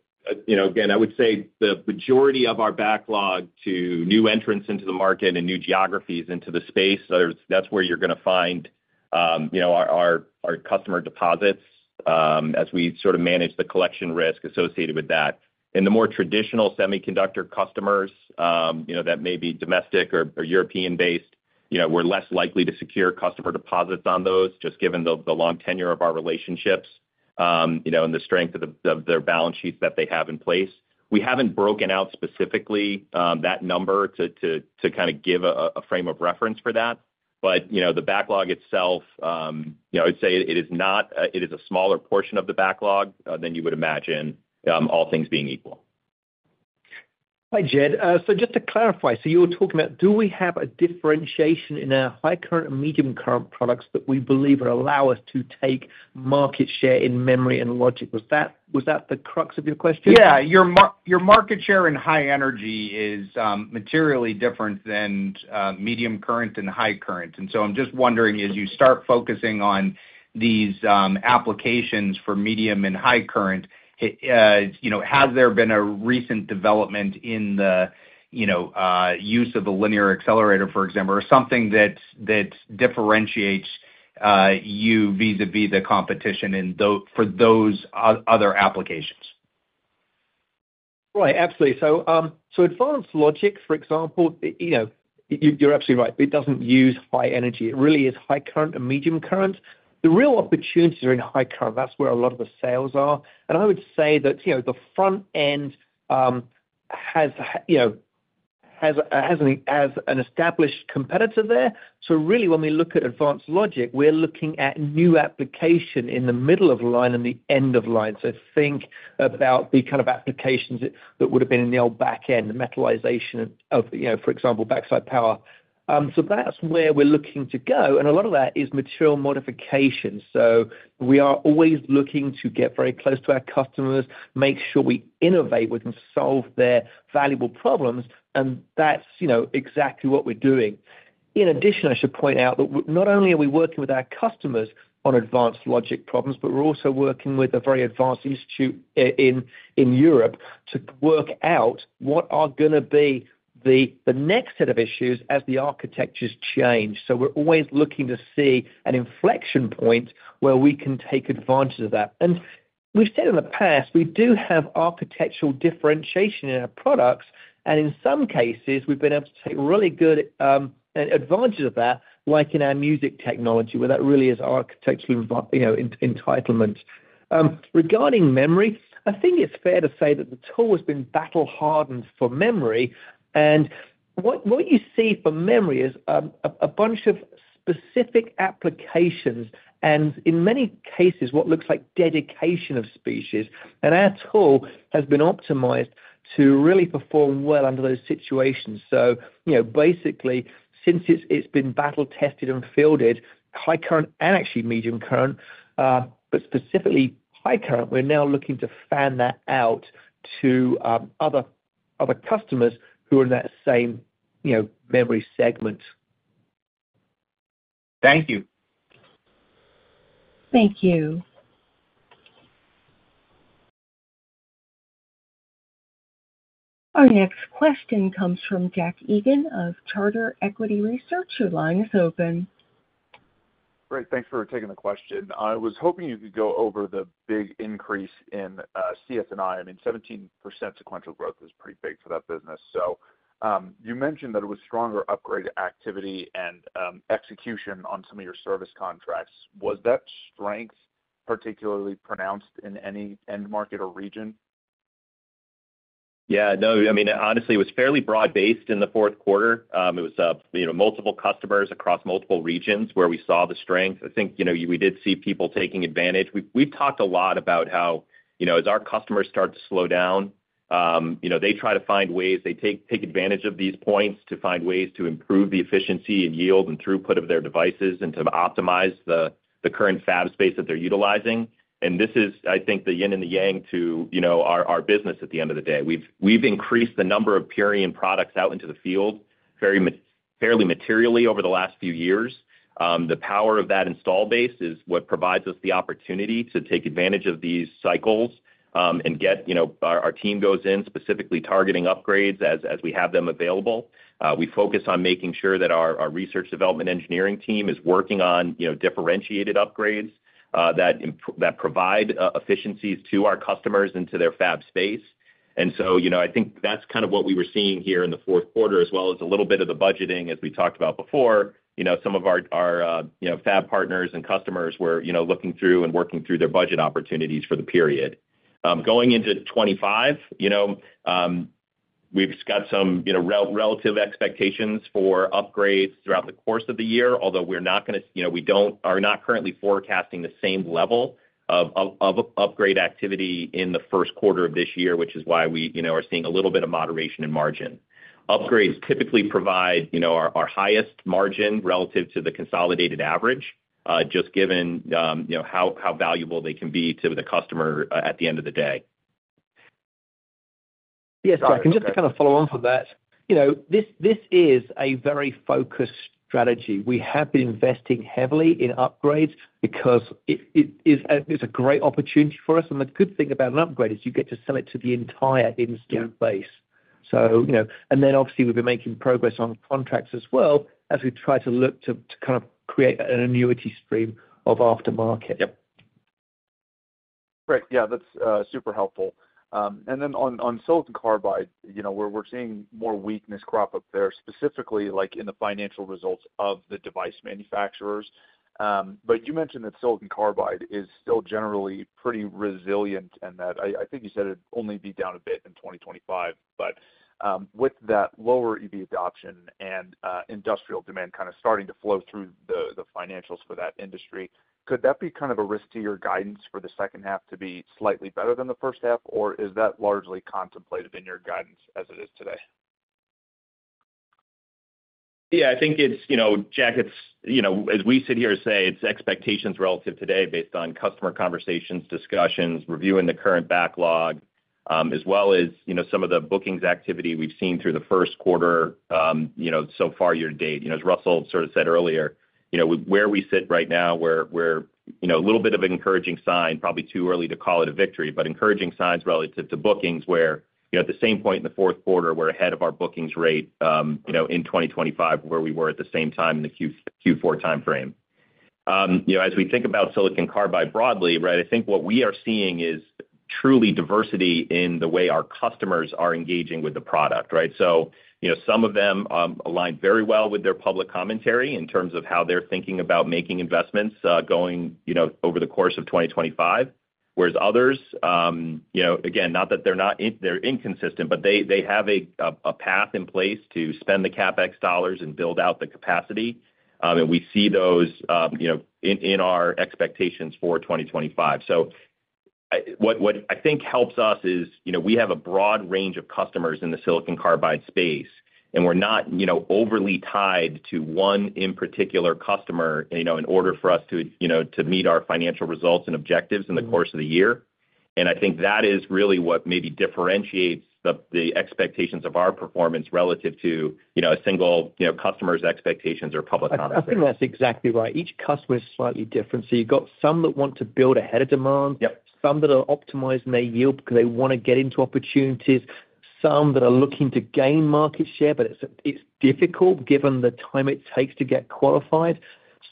Again, I would say the majority of our backlog to new entrants into the market and new geographies into the space, that's where you're going to find our customer deposits as we sort of manage the collection risk associated with that. And the more traditional semiconductor customers that may be domestic or European-based, we're less likely to secure customer deposits on those just given the long tenure of our relationships and the strength of their balance sheets that they have in place. We haven't broken out specifically that number to kind of give a frame of reference for that. But the backlog itself, I'd say it is a smaller portion of the backlog than you would imagine all things being equal. Hi, Jed. So just to clarify, so you were talking about, do we have a differentiation in our high current and medium current products that we believe will allow us to take market share in memory and logic? Was that the crux of your question? Yeah. Your market share in high energy is materially different than medium current and high current. And so I'm just wondering, as you start focusing on these applications for medium and high current, has there been a recent development in the use of a linear accelerator, for example, or something that differentiates you vis-à-vis the competition for those other applications? Right. Absolutely. So advanced logic, for example, you're absolutely right. It doesn't use high energy. It really is high current and medium current. The real opportunities are in high current. That's where a lot of the sales are. And I would say that the front end has an established competitor there. So really, when we look at advanced logic, we're looking at new application in the middle of line and the end of line. So think about the kind of applications that would have been in the old back end, the metallization of, for example, backside power. So that's where we're looking to go. And a lot of that is material modification. So we are always looking to get very close to our customers, make sure we innovate with and solve their valuable problems. And that's exactly what we're doing. In addition, I should point out that not only are we working with our customers on advanced logic problems, but we're also working with a very advanced institute in Europe to work out what are going to be the next set of issues as the architectures change. So we're always looking to see an inflection point where we can take advantage of that. And we've said in the past, we do have architectural differentiation in our products. And in some cases, we've been able to take really good advantage of that, like in our Purion M, where that really is architectural entitlement. Regarding memory, I think it's fair to say that the tool has been battle-hardened for memory. And what you see for memory is a bunch of specific applications. And in many cases, what looks like dedication of species. And our tool has been optimized to really perform well under those situations. So basically, since it's been battle-tested and fielded, high current and actually medium current, but specifically high current, we're now looking to fan that out to other customers who are in that same memory segment. Thank you. Thank you. Our next question comes from Jack Egan of Charter Equity Research. Your line is open. Great. Thanks for taking the question. I was hoping you could go over the big increase in CS&I. I mean, 17% sequential growth is pretty big for that business. So you mentioned that it was stronger upgrade activity and execution on some of your service contracts. Was that strength particularly pronounced in any end market or region? Yeah. No. I mean, honestly, it was fairly broad-based in the fourth quarter. It was multiple customers across multiple regions where we saw the strength. I think we did see people taking advantage. We've talked a lot about how as our customers start to slow down, they try to find ways. They take advantage of these points to find ways to improve the efficiency and yield and throughput of their devices and to optimize the current fab space that they're utilizing. And this is, I think, the yin and the yang to our business at the end of the day. We've increased the number of Purion products out into the field fairly materially over the last few years. The power of that installed base is what provides us the opportunity to take advantage of these cycles and get our team to go in specifically targeting upgrades as we have them available. We focus on making sure that our research, development, engineering team is working on differentiated upgrades that provide efficiencies to our customers and to their fab space. So I think that's kind of what we were seeing here in the fourth quarter, as well as a little bit of the budgeting, as we talked about before. Some of our fab partners and customers were looking through and working through their budget opportunities for the period. Going into 2025, we've got some relative expectations for upgrades throughout the course of the year, although we are not currently forecasting the same level of upgrade activity in the first quarter of this year, which is why we are seeing a little bit of moderation in margin. Upgrades typically provide our highest margin relative to the consolidated average, just given how valuable they can be to the customer at the end of the day. Yes, I can just kind of follow on from that. This is a very focused strategy. We have been investing heavily in upgrades because it's a great opportunity for us. And the good thing about an upgrade is you get to sell it to the entire installed base. And then, obviously, we've been making progress on contracts as well as we try to look to kind of create an annuity stream of aftermarket. Yep. Great. Yeah, that's super helpful. And then on silicon carbide, we're seeing more weakness crop up there, specifically in the financial results of the device manufacturers. But you mentioned that silicon carbide is still generally pretty resilient and that I think you said it'd only be down a bit in 2025. But with that lower EV adoption and industrial demand kind of starting to flow through the financials for that industry, could that be kind of a risk to your guidance for the second half to be slightly better than the first half? Or is that largely contemplated in your guidance as it is today? Yeah, I think it's Jack, as we sit here and say, it's expectations relative today based on customer conversations, discussions, reviewing the current backlog, as well as some of the bookings activity we've seen through the first quarter so far year to date. As Russell sort of said earlier, where we sit right now, we're a little bit of an encouraging sign, probably too early to call it a victory, but encouraging signs relative to bookings where at the same point in the fourth quarter, we're ahead of our bookings rate in 2025 where we were at the same time in the Q4 timeframe. As we think about silicon carbide broadly, right, I think what we are seeing is truly diversity in the way our customers are engaging with the product, right? So some of them align very well with their public commentary in terms of how they're thinking about making investments going over the course of 2025, whereas others, again, not that they're inconsistent, but they have a path in place to spend the CapEx dollars and build out the capacity, and we see those in our expectations for 2025. What I think helps us is we have a broad range of customers in the silicon carbide space, and we're not overly tied to one in particular customer in order for us to meet our financial results and objectives in the course of the year. I think that is really what maybe differentiates the expectations of our performance relative to a single customer's expectations or public commentary. I think that's exactly right. Each customer is slightly different. You've got some that want to build ahead of demand, some that are optimized in their yield because they want to get into opportunities, some that are looking to gain market share, but it's difficult given the time it takes to get qualified.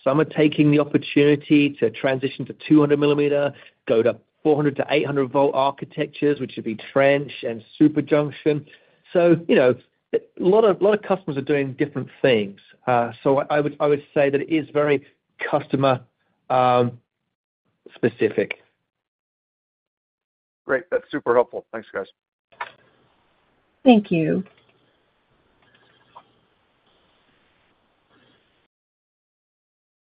Some are taking the opportunity to transition to 200 mm, go to 400 V to 800 V architectures, which would be trench and superjunction. So a lot of customers are doing different things. So I would say that it is very customer-specific. Great. That's super helpful. Thanks, guys. Thank you.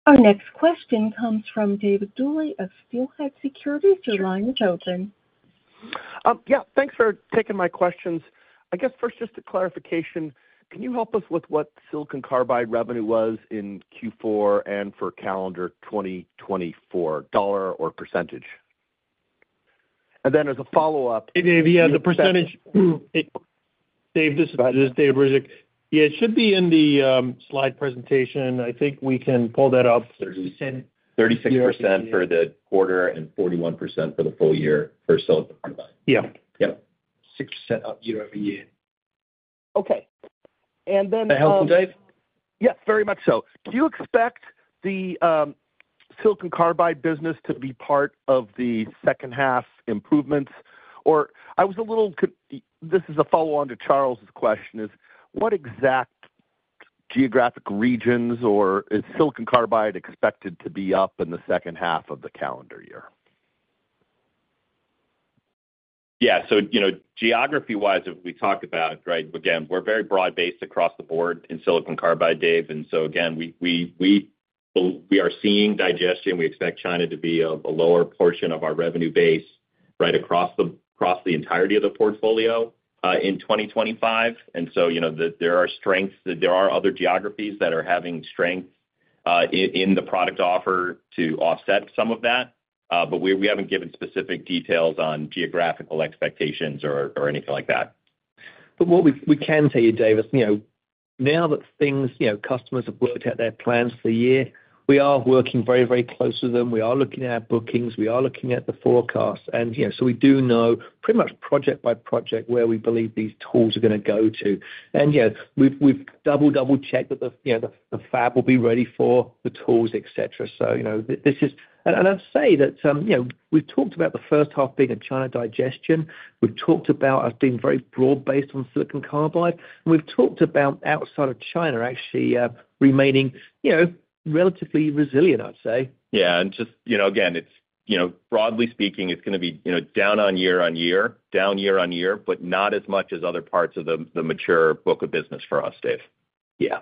Our next question comes from David Duley of Steelhead Securities. Your line is open. Yeah. Thanks for taking my questions. I guess first, just a clarification. Can you help us with what silicon carbide revenue was in Q4 and for calendar 2024, dollar or percentage? And then as a follow-up. Dave, this is David Ryzhik. Yeah, it should be in the slide presentation. I think we can pull that up. 36% for the quarter and 41% for the full year for silicon carbide. Yeah. Yep. 6% up year over year. Okay. And then. Is that helpful, Dave? Yes, very much so. Do you expect the silicon carbide business to be part of the second half improvements? Or, I was a little. This is a follow-on to Charles's question. Is what exact geographic regions or is silicon carbide expected to be up in the second half of the calendar year? Yeah, so geography-wise, we talked about, right, again, we're very broad-based across the board in silicon carbide, Dave. And so, again, we are seeing digestion. We expect China to be a lower portion of our revenue base right across the entirety of the portfolio in 2025. And so there are strengths. There are other geographies that are having strengths in the product offer to offset some of that. But we haven't given specific details on geographical expectations or anything like that. But what we can tell you, Dave, is now that customers have worked out their plans for the year, we are working very, very closely with them. We are looking at our bookings. We are looking at the forecast. And so we do know pretty much project by project where we believe these tools are going to go to. And we've double-checked that the fab will be ready for the tools, etc. So this is, and I'd say that we've talked about the first half being a China digestion. We've talked about us being very broad-based on silicon carbide. And we've talked about outside of China actually remaining relatively resilient, I'd say. Yeah. And just, again, broadly speaking, it's going to be down year on year, down year on year, but not as much as other parts of the mature book of business for us, Dave. Yeah.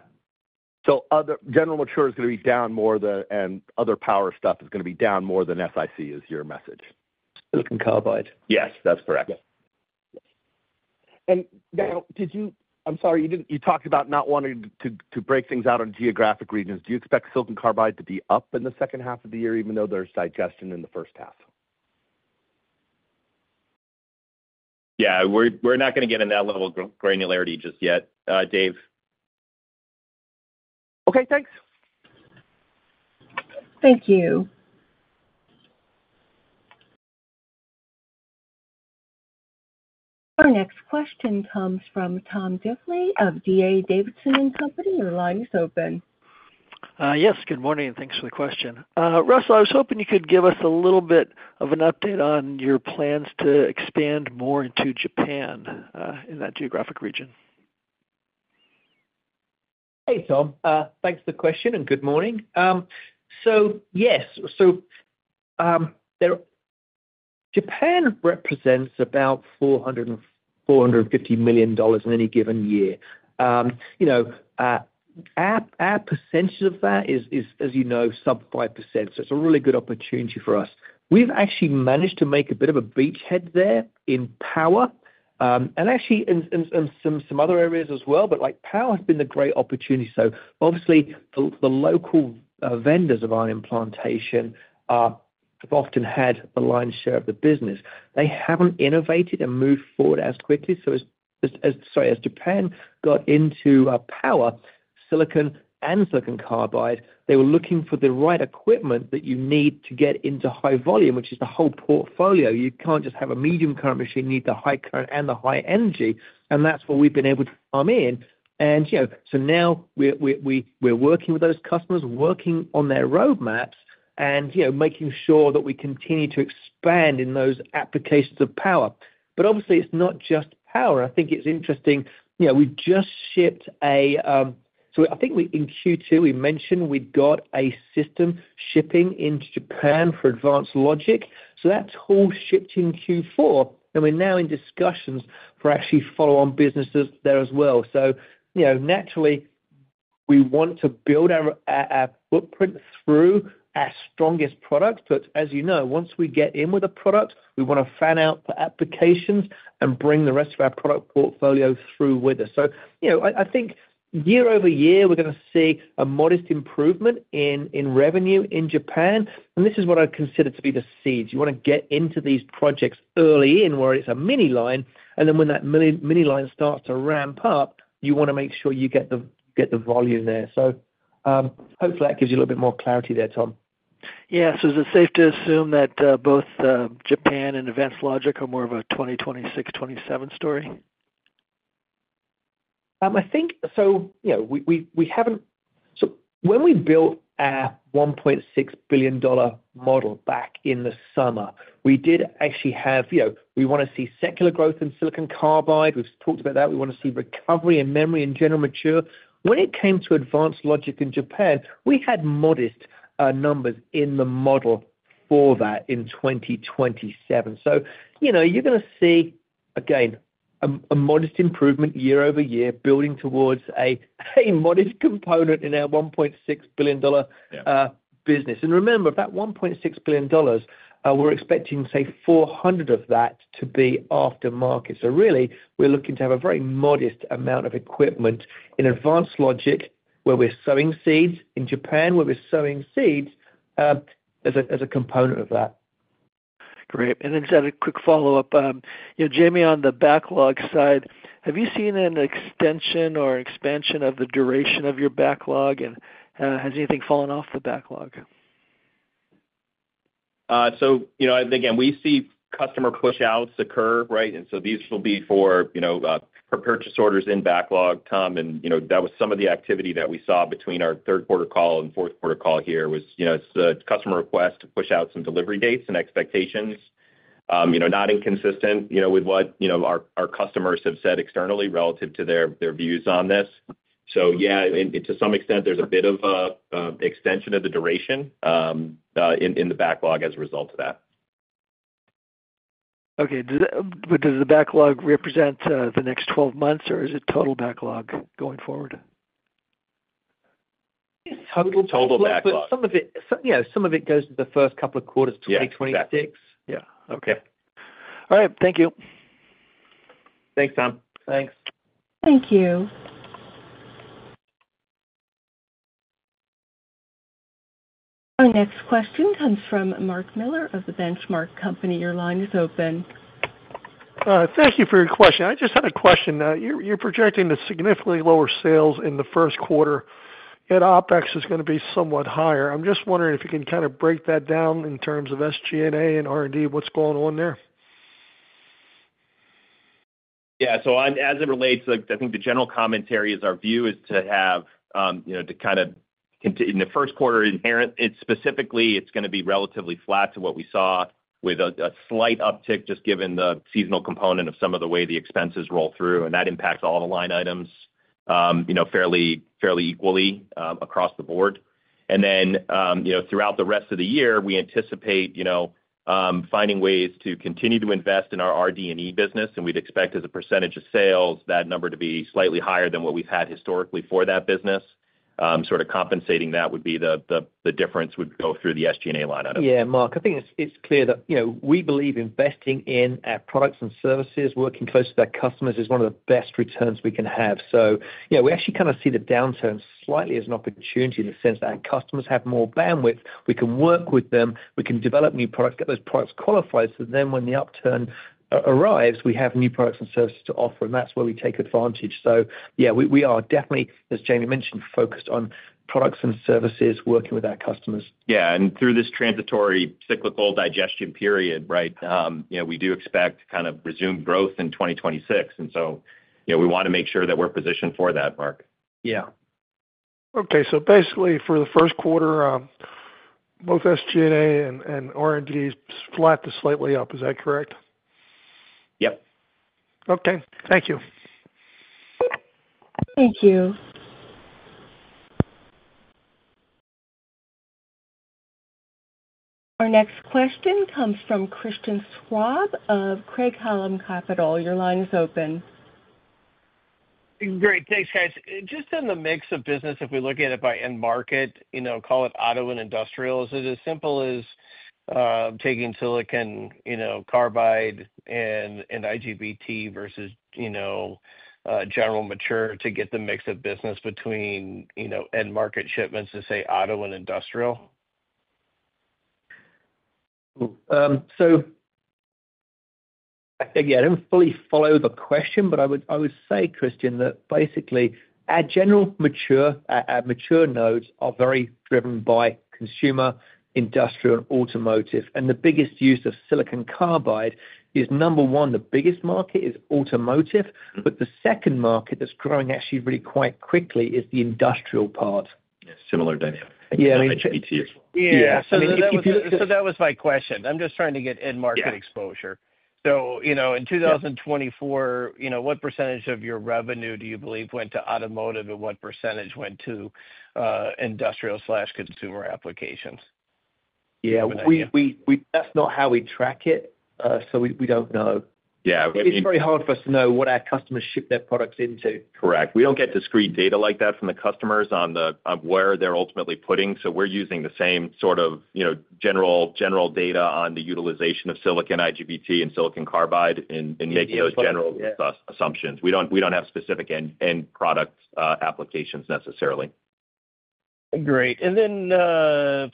So general mature is going to be down more than, and other power stuff is going to be down more than SiC is your message. Silicon carbide. Yes, that's correct. Did you? I'm sorry, you talked about not wanting to break things out on geographic regions. Do you expect silicon carbide to be up in the second half of the year, even though there's digestion in the first half? Yeah. We're not going to get into that level of granularity just yet, Dave. Okay. Thanks. Thank you. Our next question comes from Tom Diffely of D.A. Davidson & Company. Your line is open. Yes. Good morning. Thanks for the question. Russell, I was hoping you could give us a little bit of an update on your plans to expand more into Japan in that geographic region. Hey, Tom. Thanks for the question and good morning. So yes. So Japan represents about $450 million in any given year. Our percentage of that is, as you know, sub 5%. So it's a really good opportunity for us. We've actually managed to make a bit of a beachhead there in power and actually in some other areas as well, but power has been the great opportunity. So obviously, the local vendors of our implantation have often had the lion's share of the business. They haven't innovated and moved forward as quickly. So as, sorry, as Japan got into power, silicon and silicon carbide, they were looking for the right equipment that you need to get into high volume, which is the whole portfolio. You can't just have a medium current machine. You need the high current and the high energy. And that's where we've been able to come in. And so now we're working with those customers, working on their roadmaps, and making sure that we continue to expand in those applications of power, but obviously, it's not just power. I think it's interesting. We just shipped. I think in Q2, we mentioned we'd got a system shipping into Japan for advanced logic, so that's all shipped in Q4, and we're now in discussions for actually follow-on businesses there as well, so naturally we want to build our footprint through our strongest products, but as you know, once we get in with a product, we want to fan out the applications and bring the rest of our product portfolio through with it, so I think year over year, we're going to see a modest improvement in revenue in Japan, and this is what I consider to be the seeds. You want to get into these projects early in where it's a mini line, and then when that mini line starts to ramp up, you want to make sure you get the volume there. So hopefully, that gives you a little bit more clarity there, Tom. Yeah. So is it safe to assume that both Japan and advanced logic are more of a 2026, 2027 story? I think so. When we built our $1.6 billion model back in the summer, we want to see secular growth in silicon carbide. We've talked about that. We want to see recovery and memory in general mature. When it came to advanced logic in Japan, we had modest numbers in the model for that in 2027. So you're going to see, again, a modest improvement year over year building towards a modest component in our $1.6 billion business. And remember, of that $1.6 billion, we're expecting, say, $400 million of that to be aftermarket. So really, we're looking to have a very modest amount of equipment in advanced logic where we're sowing seeds in Japan, where we're sowing seeds as a component of that. Great. And then just a quick follow-up. Jamie, on the backlog side, have you seen an extension or expansion of the duration of your backlog? And has anything fallen off the backlog? So again, we see customer push-outs occur, right? And so these will be for purchase orders in backlog, Tom. And that was some of the activity that we saw between our third-quarter call and fourth-quarter call here was it's a customer request to push out some delivery dates and expectations, not inconsistent with what our customers have said externally relative to their views on this. So yeah, to some extent, there's a bit of extension of the duration in the backlog as a result of that. Okay. But does the backlog represent the next 12 months, or is it total backlog going forward? Total backlog. Yeah. Some of it goes to the first couple of quarters of 2026. Yeah. Okay. All right. Thank you. Thanks, Tom. Thanks. Thank you. Our next question comes from Mark Miller of The Benchmark Company. Your line is open. Thank you for your question. I just had a question. You're projecting the significantly lower sales in the first quarter. Yet OpEx is going to be somewhat higher. I'm just wondering if you can kind of break that down in terms of SG&A and R&D, what's going on there? So, as it relates to, I think the general commentary is our view is to have to kind of in the first quarter inherent specifically. It's going to be relatively flat to what we saw with a slight uptick just given the seasonal component of some of the way the expenses roll through, and that impacts all the line items fairly equally across the board, and then throughout the rest of the year, we anticipate finding ways to continue to invest in our R&D and the business, and we'd expect as a percentage of sales, that number to be slightly higher than what we've had historically for that business. Sort of compensating that, the difference would go through the SG&A line item. Yeah. Mark, I think it's clear that we believe investing in our products and services, working close to our customers, is one of the best returns we can have. So we actually kind of see the downturn slightly as an opportunity in the sense that our customers have more bandwidth. We can work with them. We can develop new products, get those products qualified. So then when the upturn arrives, we have new products and services to offer. And that's where we take advantage. So yeah, we are definitely, as Jamie mentioned, focused on products and services, working with our customers. Yeah. And through this transitory cyclical digestion period, right, we do expect kind of resumed growth in 2026. And so we want to make sure that we're positioned for that, Mark. Yeah. Okay. So basically, for the first quarter, both SG&A and R&D is flat to slightly up. Is that correct? Yep. Okay. Thank you. Thank you. Our next question comes from Christian Schwab of Craig-Hallum Capital. Your line is open. Great. Thanks, guys. Just in the mix of business, if we look at it by end market, call it auto and industrial, is it as simple as taking silicon carbide and IGBT versus general mature to get the mix of business between end market shipments to, say, auto and industrial? So again, I don't fully follow the question, but I would say, Christian, that basically our general mature nodes are very driven by consumer, industrial, and automotive. And the biggest use of silicon carbide is, number one, the biggest market is automotive. But the second market that's growing actually really quite quickly is the industrial part. Yeah. Similar dynamic. Yeah. I mean. Yeah. So that was my question. I'm just trying to get end market exposure. So in 2024, what percentage of your revenue do you believe went to automotive and what percentage went to industrial/consumer applications? Yeah. As best we know how we track it. So we don't know. It's very hard for us to know what our customers ship their products into. Correct. We don't get discrete data like that from the customers on where they're ultimately putting. So we're using the same sort of general data on the utilization of silicon IGBT and silicon carbide in making those general assumptions. We don't have specific end product applications necessarily. Great. And then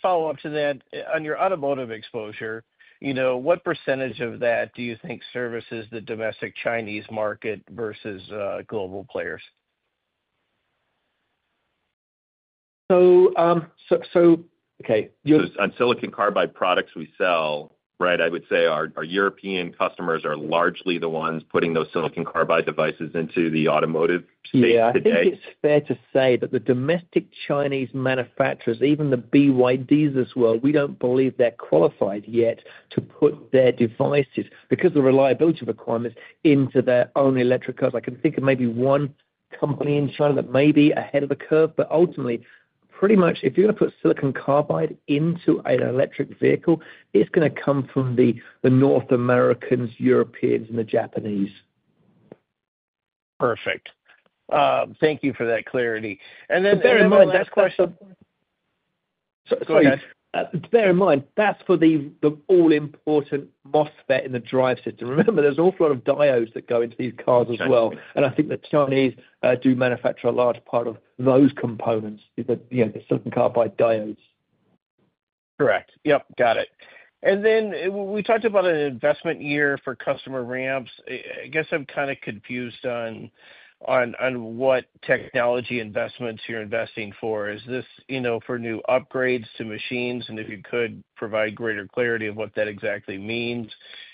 follow-up to that, on your automotive exposure, what percentage of that do you think services the domestic Chinese market versus global players? So okay. On silicon carbide products we sell, right, I would say our European customers are largely the ones putting those silicon carbide devices into the automotive space today. Yeah. I think it's fair to say that the domestic Chinese manufacturers, even the BYDs as well, we don't believe they're qualified yet to put their devices because of the reliability requirements into their own electric cars. I can think of maybe one company in China that may be ahead of the curve. But ultimately, pretty much if you're going to put silicon carbide into an electric vehicle, it's going to come from the North Americans, Europeans, and the Japanese. Perfect. Thank you for that clarity. And then bear in mind, that's the question. Sorry, guys. Bear in mind, that's for the all-important MOSFET in the drive system. Remember, there's an awful lot of diodes that go into these cars as well. And I think the Chinese do manufacture a large part of those components, the silicon carbide diodes. Correct. Yep. Got it. Then we talked about an investment year for customer ramps. I guess I'm kind of confused on what technology investments you're investing for. Is this for new upgrades to machines, and if you could provide greater clarity of what that exactly means,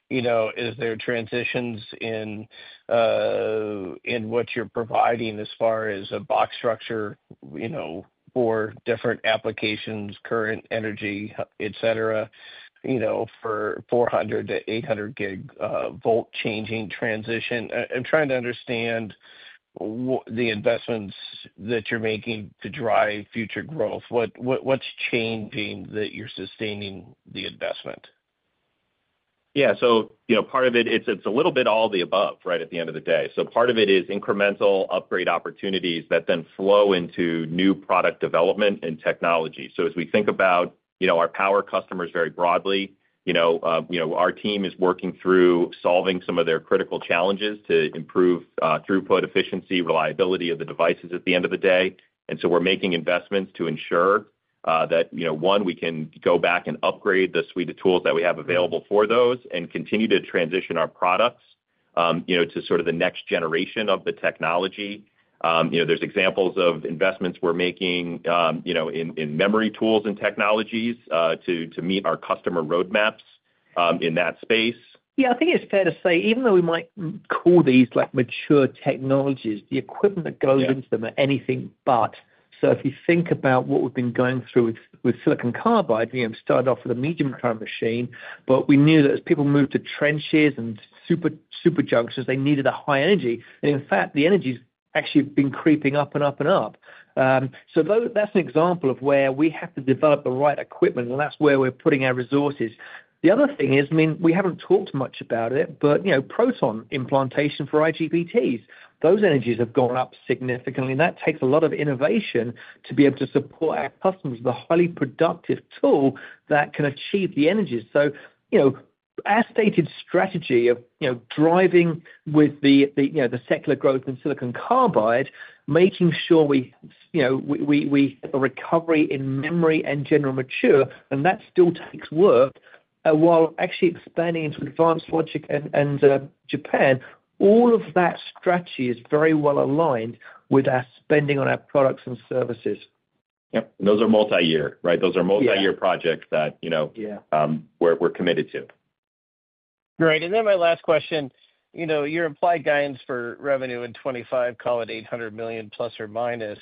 is there transitions in what you're providing as far as a box structure for different applications, high current, high energy, etc., for 400 V to 800 V changing transition? I'm trying to understand the investments that you're making to drive future growth. What's changing that you're sustaining the investment? Yeah, so part of it, it's a little bit all the above, right, at the end of the day, so part of it is incremental upgrade opportunities that then flow into new product development and technology. So as we think about our power customers very broadly, our team is working through solving some of their critical challenges to improve throughput, efficiency, reliability of the devices at the end of the day. And so we're making investments to ensure that, one, we can go back and upgrade the suite of tools that we have available for those and continue to transition our products to sort of the next generation of the technology. There's examples of investments we're making in memory tools and technologies to meet our customer roadmaps in that space. Yeah. I think it's fair to say, even though we might call these mature technologies, the equipment that goes into them are anything but. So if you think about what we've been going through with silicon carbide, we started off with a medium current machine. We knew that as people moved to trenches and superjunctions, they needed a high energy. In fact, the energy's actually been creeping up and up and up. That's an example of where we have to develop the right equipment. That's where we're putting our resources. The other thing is, I mean, we haven't talked much about it, but proton implantation for IGBTs, those energies have gone up significantly. That takes a lot of innovation to be able to support our customers with a highly productive tool that can achieve the energies. Our stated strategy of driving with the secular growth in silicon carbide, making sure we hit the recovery in memory and general mature, and that still takes work while actually expanding into advanced logic and Japan, all of that strategy is very well aligned with our spending on our products and services. Yep. And those are multi-year, right? Those are multi-year projects that we're committed to. Great. And then my last question, your implied guidance for revenue in 2025, call it $800 million plus or minus,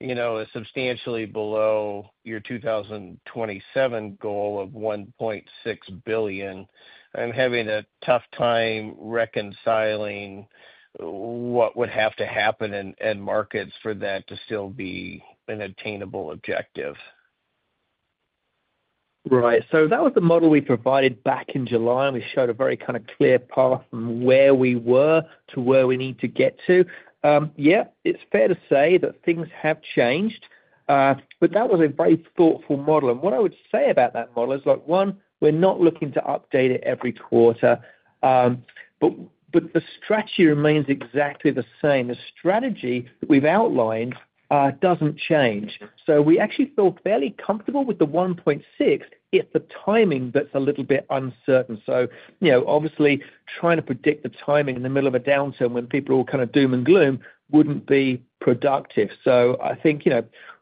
is substantially below your 2027 goal of $1.6 billion. I'm having a tough time reconciling what would have to happen in end markets for that to still be an attainable objective. Right. So that was the model we provided back in July. And we showed a very kind of clear path from where we were to where we need to get to. Yeah. It's fair to say that things have changed. But that was a very thoughtful model. And what I would say about that model is, one, we're not looking to update it every quarter. But the strategy remains exactly the same. The strategy we've outlined doesn't change. So we actually feel fairly comfortable with the $1.6 if the timing that's a little bit uncertain. So obviously, trying to predict the timing in the middle of a downturn when people are all kind of doom and gloom wouldn't be productive. So I think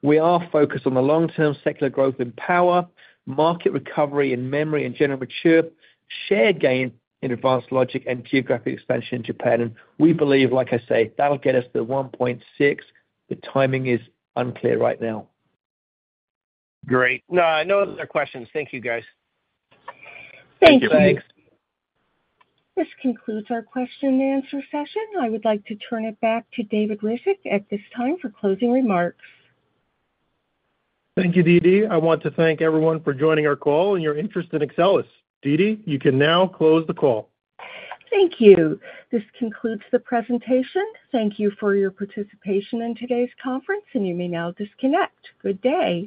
we are focused on the long-term secular growth in power, market recovery in memory and general mature, share gain in advanced logic and geographic expansion in Japan. And we believe, like I say, that'll get us to the $1.6. The timing is unclear right now. Great. No. No other questions. Thank you, guys. Thank you. Thanks. This concludes our question-and-answer session. I would like to turn it back to David Ryzhik at this time for closing remarks. Thank you, Dee Dee. I want to thank everyone for joining our call and your interest in Axcelis. Dee Dee, you can now close the call. Thank you. This concludes the presentation. Thank you for your participation in today's conference, and you may now disconnect. Good day.